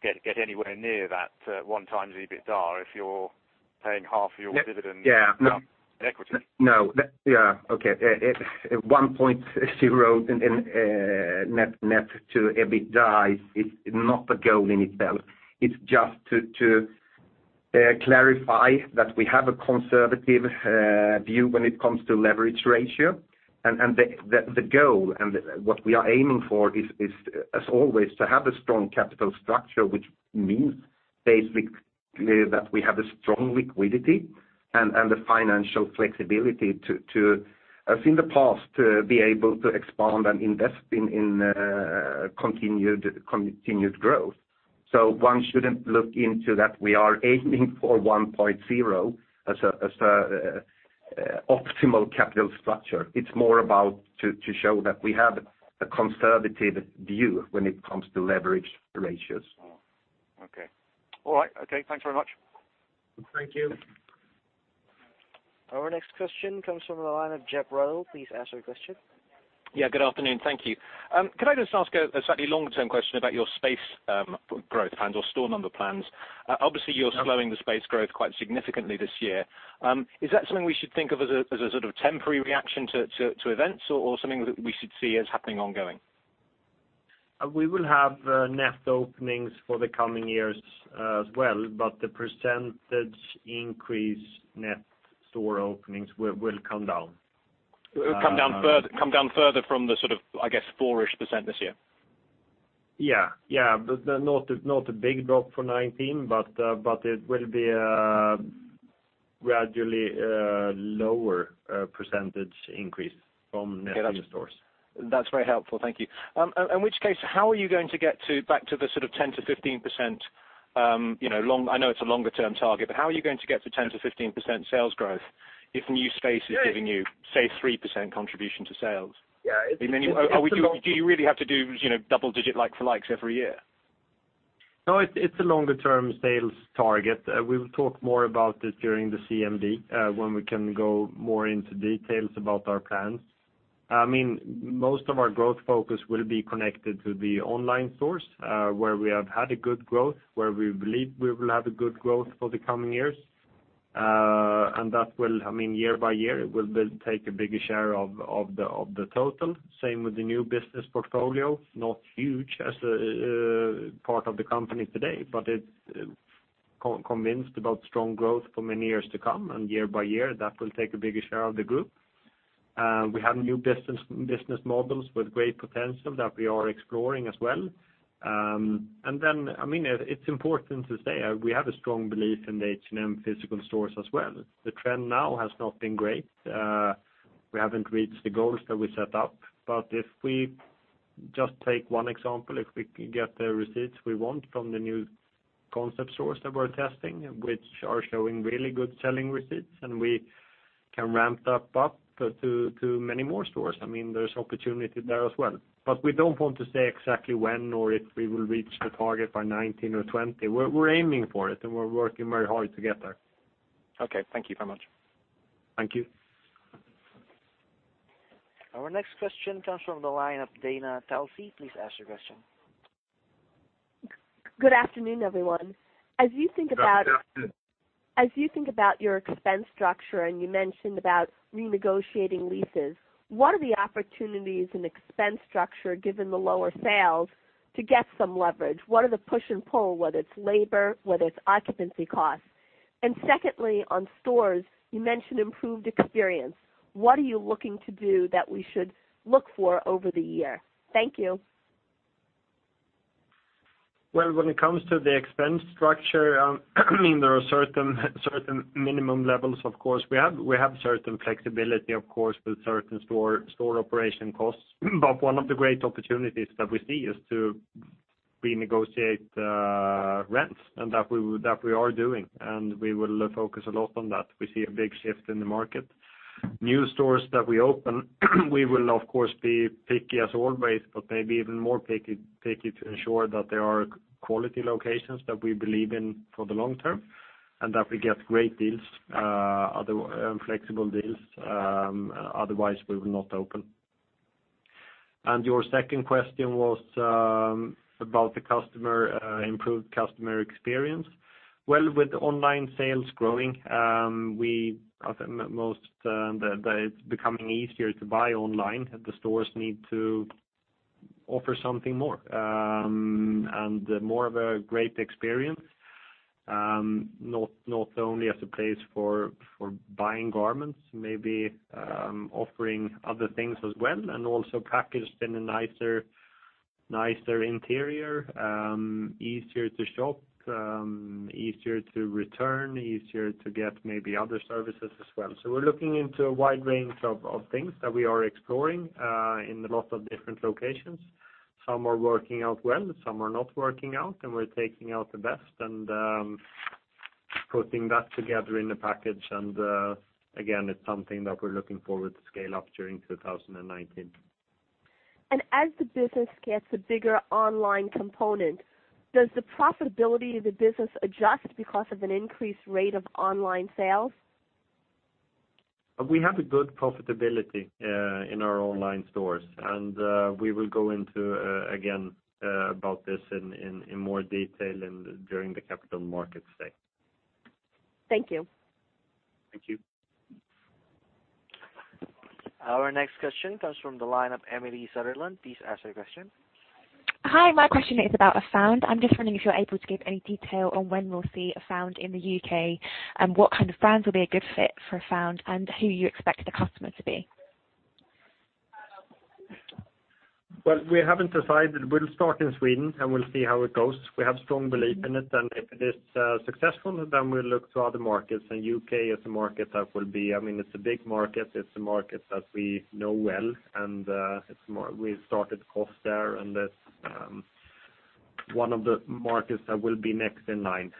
get anywhere near that one times EBITDA if you're paying half your dividend. Yeah in equity. No. Yeah. Okay. 1.0 in net to EBITDA is not a goal in itself. It is just to clarify that we have a conservative view when it comes to leverage ratio and the goal and what we are aiming for is, as always, to have a strong capital structure, which means basically that we have a strong liquidity and the financial flexibility to, as in the past, to be able to expand and invest in continued growth. One shouldn't look into that we are aiming for 1.0 as an optimal capital structure. It is more about to show that we have a conservative view when it comes to leverage ratios. Okay. All right. Okay, thanks very much. Thank you. Our next question comes from the line of Geoff Ruddell. Please ask your question. Yeah, good afternoon. Thank you. Could I just ask a slightly longer-term question about your space growth plans or store number plans? Obviously, you're slowing the space growth quite significantly this year. Is that something we should think of as a sort of temporary reaction to events or something that we should see as happening ongoing? We will have net openings for the coming years as well. The percentage increase net store openings will come down. Come down further from the sort of, I guess, 4%-ish this year. Yeah. Not a big drop for 2019, but it will be a gradually lower percentage increase from net new stores. That's very helpful, thank you. In which case, how are you going to get back to the sort of 10%-15%, I know it's a longer-term target, but how are you going to get to 10%-15% sales growth if new space is giving you, say, 3% contribution to sales? Yeah. Do you really have to do double-digit like for likes every year? No, it's a longer-term sales target. We will talk more about this during the CMD, when we can go more into details about our plans. Most of our growth focus will be connected to the online stores, where we have had a good growth, where we believe we will have a good growth for the coming years. That will, year by year, it will take a bigger share of the total. Same with the new business portfolio, not huge as a part of the company today, but it convinced about strong growth for many years to come. Year by year, that will take a bigger share of the group. We have new business models with great potential that we are exploring as well. It's important to say, we have a strong belief in the H&M physical stores as well. The trend now has not been great. We haven't reached the goals that we set up. If we just take one example, if we can get the receipts we want from the new concept stores that we're testing, which are showing really good selling receipts, and we can ramp that up to many more stores, there's opportunity there as well. We don't want to say exactly when or if we will reach the target by 2019 or 2020. We're aiming for it, and we're working very hard to get there. Okay. Thank you very much. Thank you. Our next question comes from the line of Dana Telsey. Please ask your question. Good afternoon, everyone. Good afternoon. As you think about your expense structure, you mentioned about renegotiating leases, what are the opportunities in expense structure, given the lower sales, to get some leverage? What are the push and pull, whether it's labor, whether it's occupancy costs? Secondly, on stores, you mentioned improved experience. What are you looking to do that we should look for over the year? Thank you. Well, when it comes to the expense structure, there are certain minimum levels, of course. We have certain flexibility, of course, with certain store operation costs. One of the great opportunities that we see is to renegotiate rents, and that we are doing, and we will focus a lot on that. We see a big shift in the market. New stores that we open, we will of course be picky as always, but maybe even more picky to ensure that they are quality locations that we believe in for the long term, and that we get great deals, flexible deals. Otherwise, we will not open. Your second question was about the improved customer experience. Well, with online sales growing, it's becoming easier to buy online, and the stores need to offer something more, and more of a great experience. Not only as a place for buying garments, maybe offering other things as well, and also packaged in a nicer interior, easier to shop, easier to return, easier to get maybe other services as well. We're looking into a wide range of things that we are exploring in a lot of different locations. Some are working out well, and some are not working out, and we're taking out the best and putting that together in a package. Again, it's something that we're looking forward to scale up during 2019. As the business gets a bigger online component, does the profitability of the business adjust because of an increased rate of online sales? We have a good profitability in our online stores. We will go into, again, about this in more detail during the Capital Markets Day. Thank you. Thank you. Our next question comes from the line of Amy Sutherland. Please ask your question. Hi. My question is about Afound. I'm just wondering if you're able to give any detail on when we'll see Afound in the U.K., what kind of brands will be a good fit for Afound, and who you expect the customer to be. Well, we haven't decided. We'll start in Sweden, we'll see how it goes. We have strong belief in it, if it is successful, we'll look to other markets. U.K. is a market that will be. It's a big market. It's a market that we know well, we started COS there, it's one of the markets that will be next in line.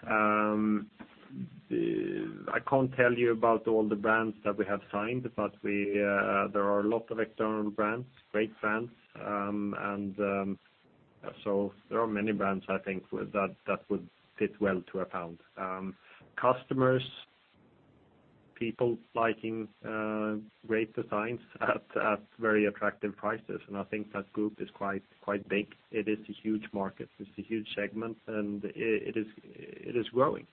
I can't tell you about all the brands that we have signed, there are a lot of external brands, great brands. There are many brands, I think, that would fit well to Afound. Customers, people liking great designs at very attractive prices, I think that group is quite big. It is a huge market. It's a huge segment, it is growing.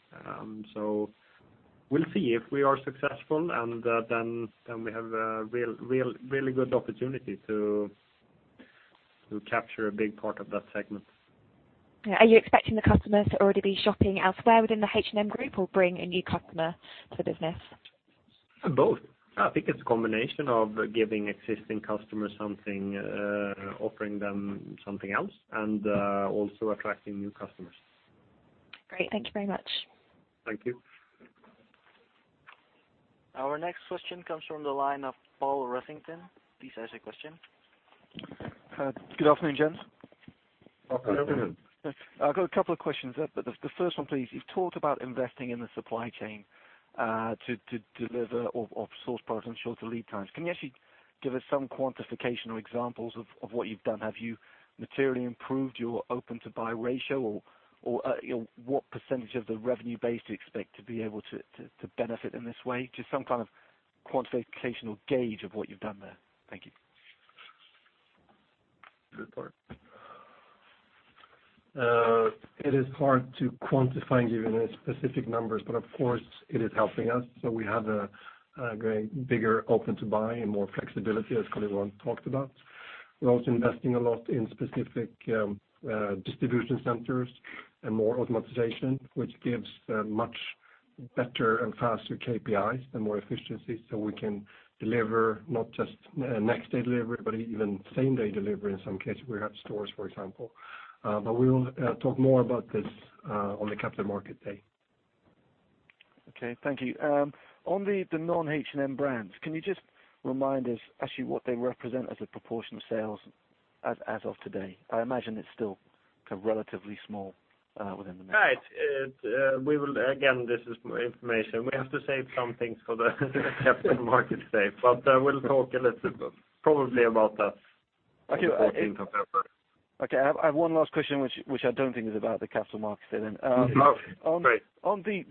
We'll see if we are successful, and then we have a really good opportunity to capture a big part of that segment. Are you expecting the customers to already be shopping elsewhere within the H&M group, or bring a new customer to business? Both. I think it's a combination of giving existing customers something, offering them something else, and also attracting new customers. Great. Thank you very much. Thank you. Our next question comes from the line of Paul Rossington. Please ask your question. Good afternoon, gents. Good afternoon. I've got a couple of questions. The first one, please. You've talked about investing in the supply chain to deliver or source products on shorter lead times. Can you actually give us some quantification or examples of what you've done? Have you materially improved your open-to-buy ratio, or what % of the revenue base do you expect to be able to benefit in this way? Just some kind of quantification or gauge of what you've done there. Thank you. Good point. It is hard to quantify and give any specific numbers. Of course, it is helping us. We have a bigger open-to-buy and more flexibility, as Karl-Johan talked about. We're also investing a lot in specific distribution centers and more automatization, which gives much better and faster KPIs and more efficiency. We can deliver not just next-day delivery, but even same-day delivery in some cases. We have stores, for example. We will talk more about this on the capital market day. Okay. Thank you. On the non-H&M brands, can you just remind us actually what they represent as a proportion of sales as of today? I imagine it's still relatively small within the mix. Again, this is information. We have to save some things for the capital market day. We'll talk a little bit, probably about that the 14th of February. Okay. I have one last question, which I don't think is about the capital market then. No. Great. On the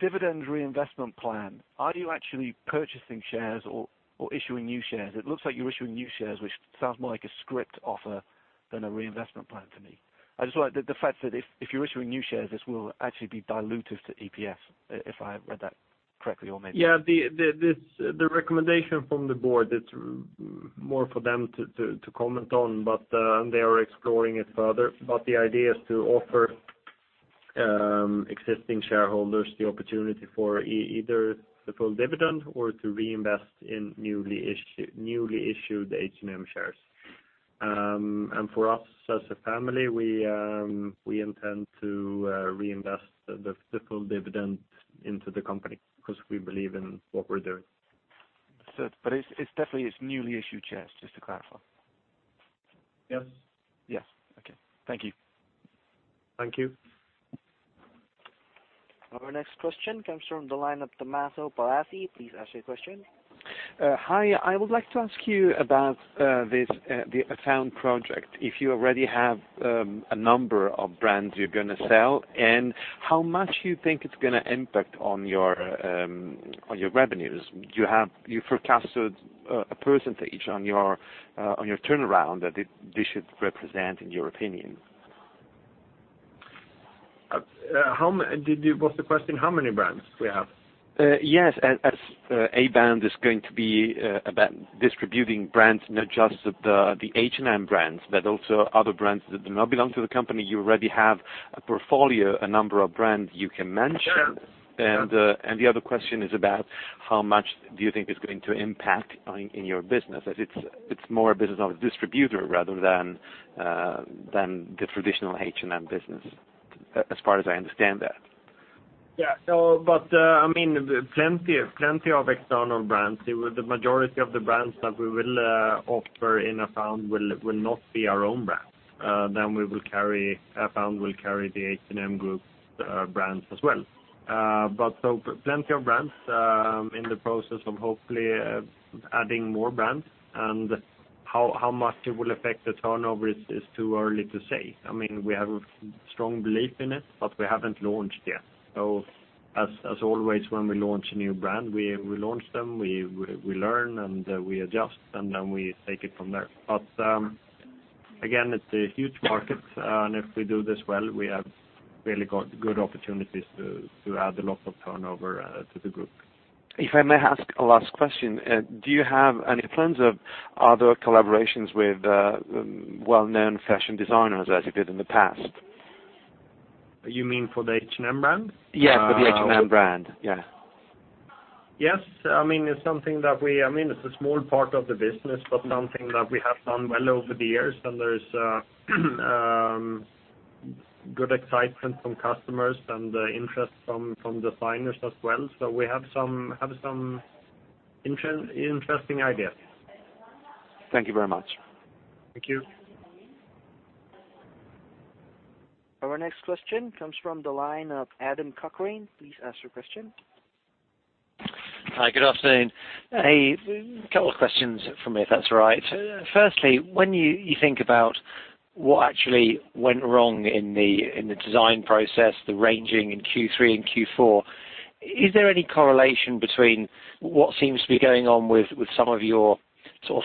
dividend reinvestment plan, are you actually purchasing shares or issuing new shares? It looks like you're issuing new shares, which sounds more like a scrip offer than a reinvestment plan to me. I just wonder the fact that if you're issuing new shares, this will actually be dilutive to EPS, if I read that correctly. Yeah, the recommendation from the board, it's more for them to comment on, but they are exploring it further. The idea is to offer existing shareholders the opportunity for either the full dividend or to reinvest in newly issued H&M shares. For us as a family, we intend to reinvest the full dividend into the company because we believe in what we're doing. It's definitely it's newly issued shares, just to clarify. Yes. Yes. Okay. Thank you. Thank you. Our next question comes from the line of Tommaso Palassi. Please ask your question. Hi. I would like to ask you about the Afound project, if you already have a number of brands you're going to sell, and how much you think it's going to impact on your revenues. You forecasted a percentage on your turnaround that this should represent, in your opinion? Was the question how many brands we have? Yes. As Afound is going to be about distributing brands, not just the H&M brands, but also other brands that do not belong to the company. You already have a portfolio, a number of brands you can mention. Yes. The other question is about how much do you think it's going to impact in your business, as it's more a business of a distributor rather than the traditional H&M business, as far as I understand that. Yeah. Plenty of external brands. The majority of the brands that we will offer in Afound will not be our own brands. Afound will carry the H&M group brands as well. Plenty of brands in the process of hopefully adding more brands. And how much it will affect the turnover is too early to say. We have a strong belief in it, but we haven't launched yet. So as always, when we launch a new brand, we launch them, we learn, and we adjust, then we take it from there. Again, it's a huge market, and if we do this well, we have really got good opportunities to add a lot of turnover to the group. If I may ask a last question, do you have any plans of other collaborations with well-known fashion designers as you did in the past? You mean for the H&M brand? Yes, for the H&M brand. Yeah. Yes. It's a small part of the business, but something that we have done well over the years, and there's good excitement from customers and interest from designers as well. We have some interesting ideas. Thank you very much. Thank you. Our next question comes from the line of Adam Cochrane. Please ask your question. Hi, good afternoon. A couple of questions from me, if that's all right. Firstly, when you think about what actually went wrong in the design process, the ranging in Q3 and Q4, is there any correlation between what seems to be going on with some of your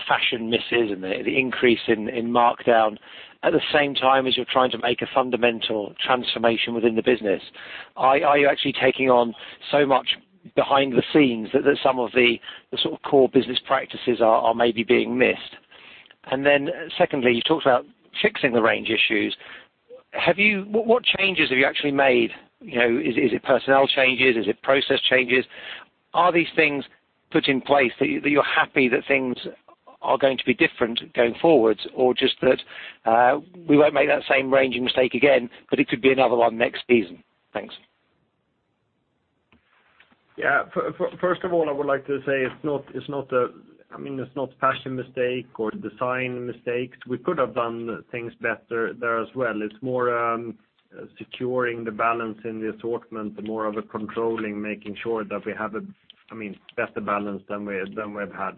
fashion misses and the increase in markdown at the same time as you're trying to make a fundamental transformation within the business? Are you actually taking on so much behind the scenes that some of the core business practices are maybe being missed? Secondly, you talked about fixing the range issues. What changes have you actually made? Is it personnel changes? Is it process changes? Are these things put in place that you're happy that things are going to be different going forward or just that we won't make that same ranging mistake again, but it could be another one next season? Thanks. First of all, I would like to say it's not fashion mistake or design mistakes. We could have done things better there as well. It's more securing the balance in the assortment, more of a controlling, making sure that we have a better balance than we've had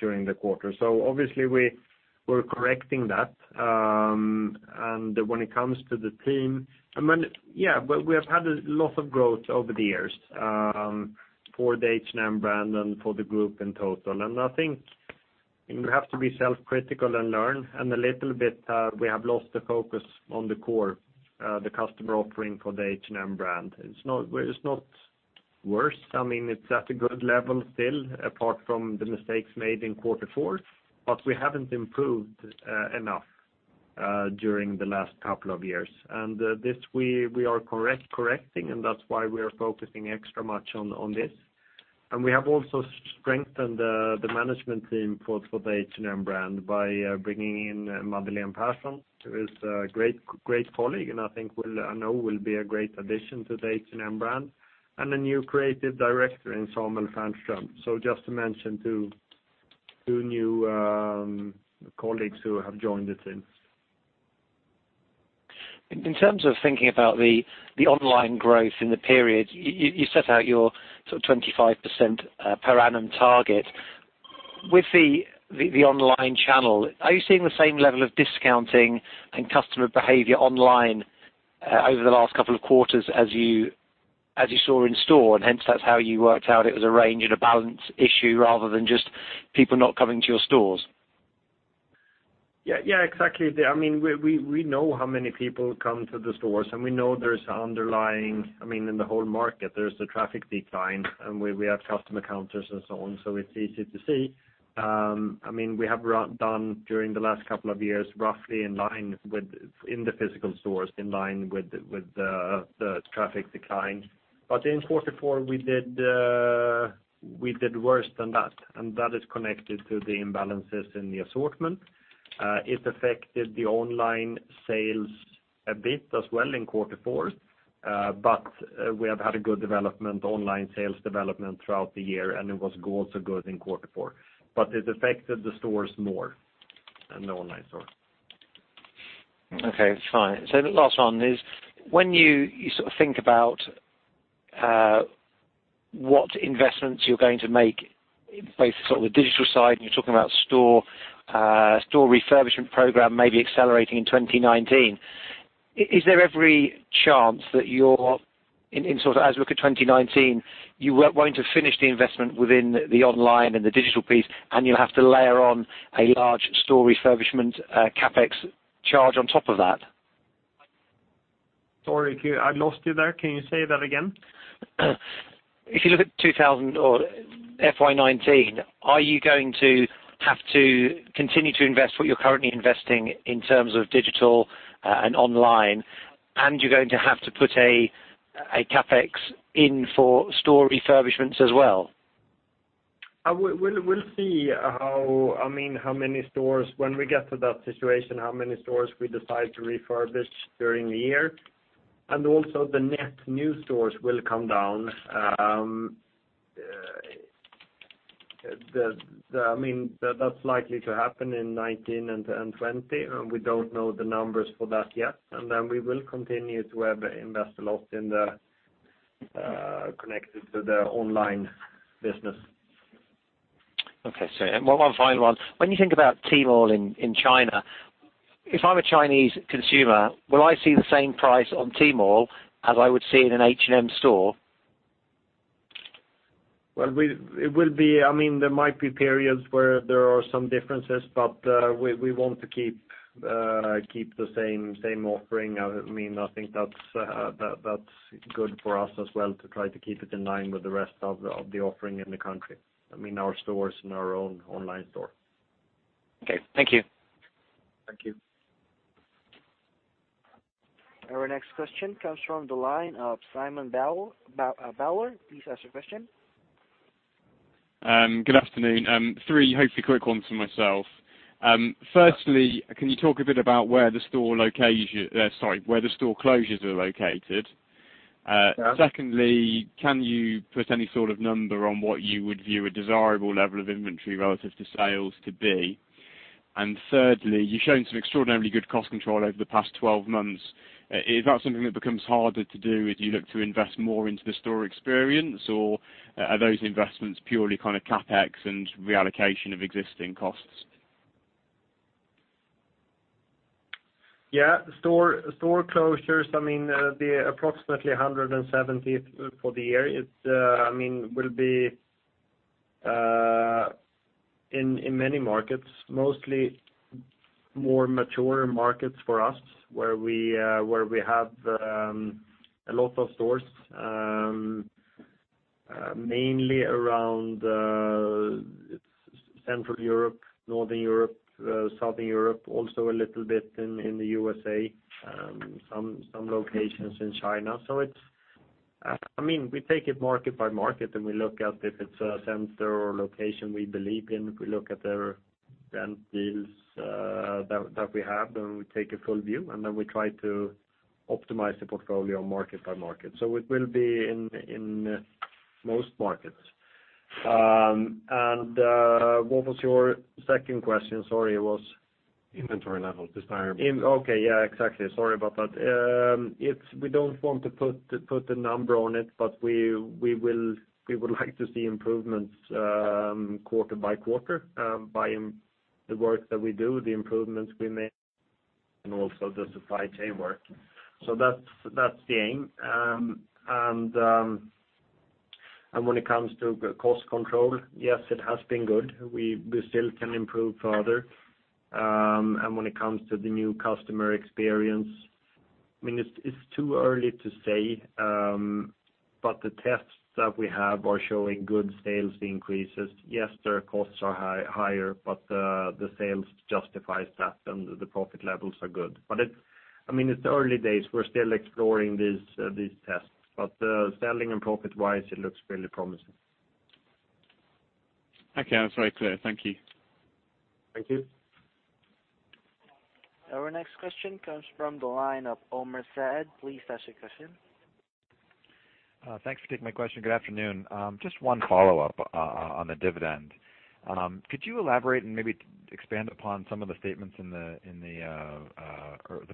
during the quarter. Obviously, we're correcting that. When it comes to the team, we have had a lot of growth over the years for the H&M brand and for the group in total. I think we have to be self-critical and learn, and a little bit, we have lost the focus on the core, the customer offering for the H&M brand. It's not worse. It's at a good level still, apart from the mistakes made in quarter four, but we haven't improved enough during the last couple of years. This we are correcting, and that's why we are focusing extra much on this. We have also strengthened the management team for the H&M brand by bringing in Madeleine Persson, who is a great colleague, and I know will be a great addition to the H&M brand. A new Creative Director in Samuel Fernström. Just to mention two new colleagues who have joined the team. In terms of thinking about the online growth in the period, you set out your 25% per annum target. With the online channel, are you seeing the same level of discounting and customer behavior online over the last couple of quarters as you saw in store, and hence that's how you worked out it was a range and a balance issue rather than just people not coming to your stores? Yeah, exactly. We know how many people come to the stores. We know in the whole market, there's a traffic decline. We have customer counters and so on, it's easy to see. We have done, during the last couple of years, roughly in the physical stores, in line with the traffic decline. In quarter four, we did worse than that. That is connected to the imbalances in the assortment. It affected the online sales a bit as well in quarter four. We have had a good online sales development throughout the year. It was also good in quarter four. It affected the stores more than the online store. Okay, fine. The last one is, when you think about what investments you're going to make, both the digital side, and you're talking about store refurbishment program maybe accelerating in 2019. Is there every chance that your As we look at 2019, you were going to finish the investment within the online and the digital piece. You have to layer on a large store refurbishment CapEx charge on top of that. Sorry, I lost you there. Can you say that again? If you look at FY 2019, are you going to have to continue to invest what you're currently investing in terms of digital and online, and you're going to have to put a CapEx in for store refurbishments as well? We'll see how many stores, when we get to that situation, how many stores we decide to refurbish during the year. Also, the net new stores will come down. That's likely to happen in 2019 and 2020, and we don't know the numbers for that yet. Then we will continue to invest a lot in the connected to the online business. Okay, one final one. When you think about Tmall in China, if I'm a Chinese consumer, will I see the same price on Tmall as I would see in an H&M store? Well, there might be periods where there are some differences, but we want to keep the same offering. I think that's good for us as well to try to keep it in line with the rest of the offering in the country. Our stores and our own online store. Okay. Thank you. Thank you. Our next question comes from the line of Simon Bowler. Please ask your question. Good afternoon. Three hopefully quick ones from myself. Firstly, can you talk a bit about where the store closures are located? Yeah. Secondly, can you put any sort of number on what you would view a desirable level of inventory relative to sales to be? Thirdly, you've shown some extraordinarily good cost control over the past 12 months. Is that something that becomes harder to do as you look to invest more into the store experience, or are those investments purely kind of CapEx and reallocation of existing costs? Yeah. Store closures, there are approximately 170 for the year. It will be in many markets, mostly more mature markets for us, where we have a lot of stores, mainly around Central Europe, Northern Europe, Southern Europe, also a little bit in the U.S.A., some locations in China. We take it market by market, and we look at if it's a center or location we believe in. We look at their rent deals that we have, and we take a full view, and then we try to optimize the portfolio market by market. It will be in most markets. What was your second question? Sorry. Inventory levels desirable. Okay. Yeah, exactly. Sorry about that. We don't want to put a number on it, but we would like to see improvements quarter by quarter by the work that we do, the improvements we make, and also the supply chain work. That's the aim. When it comes to cost control, yes, it has been good. We still can improve further. When it comes to the new customer experience, it's too early to say, but the tests that we have are showing good sales increases. Yes, their costs are higher, but the sales justifies that, and the profit levels are good. It's early days. We're still exploring these tests. Selling and profit-wise, it looks really promising. Okay. That's very clear. Thank you. Thank you. Our next question comes from the line of Omer Saad. Please ask your question. Thanks for taking my question. Good afternoon. Just one follow-up on the dividend. Could you elaborate and maybe expand upon some of the statements in the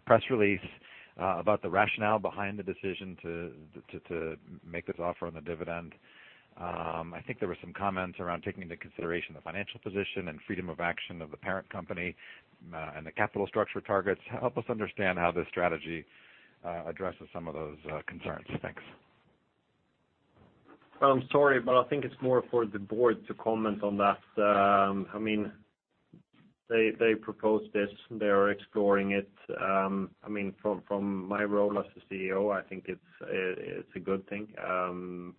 press release about the rationale behind the decision to make this offer on the dividend? I think there were some comments around taking into consideration the financial position and freedom of action of the parent company and the capital structure targets. Help us understand how this strategy addresses some of those concerns. Thanks. I'm sorry, I think it's more for the board to comment on that. They proposed this. They are exploring it. From my role as the CEO, I think it's a good thing.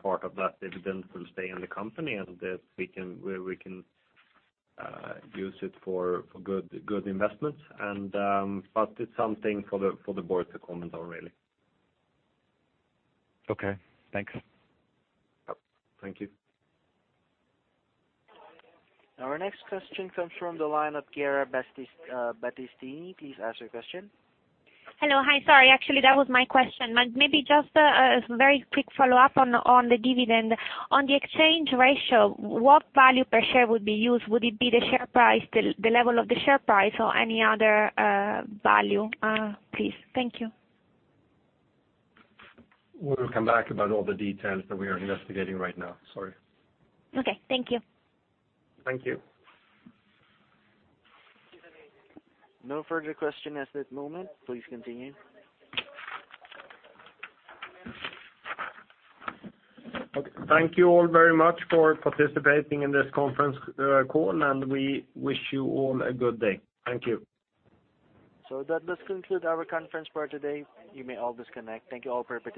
Part of that dividend will stay in the company and where we can use it for good investments, it's something for the board to comment on, really. Okay. Thanks. Thank you. Our next question comes from the line of Chiara Battistini. Please ask your question. Hello. Hi. Sorry, actually, that was my question, but maybe just a very quick follow-up on the dividend. On the exchange ratio, what value per share would be used? Would it be the level of the share price or any other value, please? Thank you. We'll come back about all the details that we are investigating right now. Sorry. Okay. Thank you. Thank you. No further question at this moment. Please continue. Okay. Thank you all very much for participating in this conference call, and we wish you all a good day. Thank you. That does conclude our conference for today. You may all disconnect. Thank you all for participating.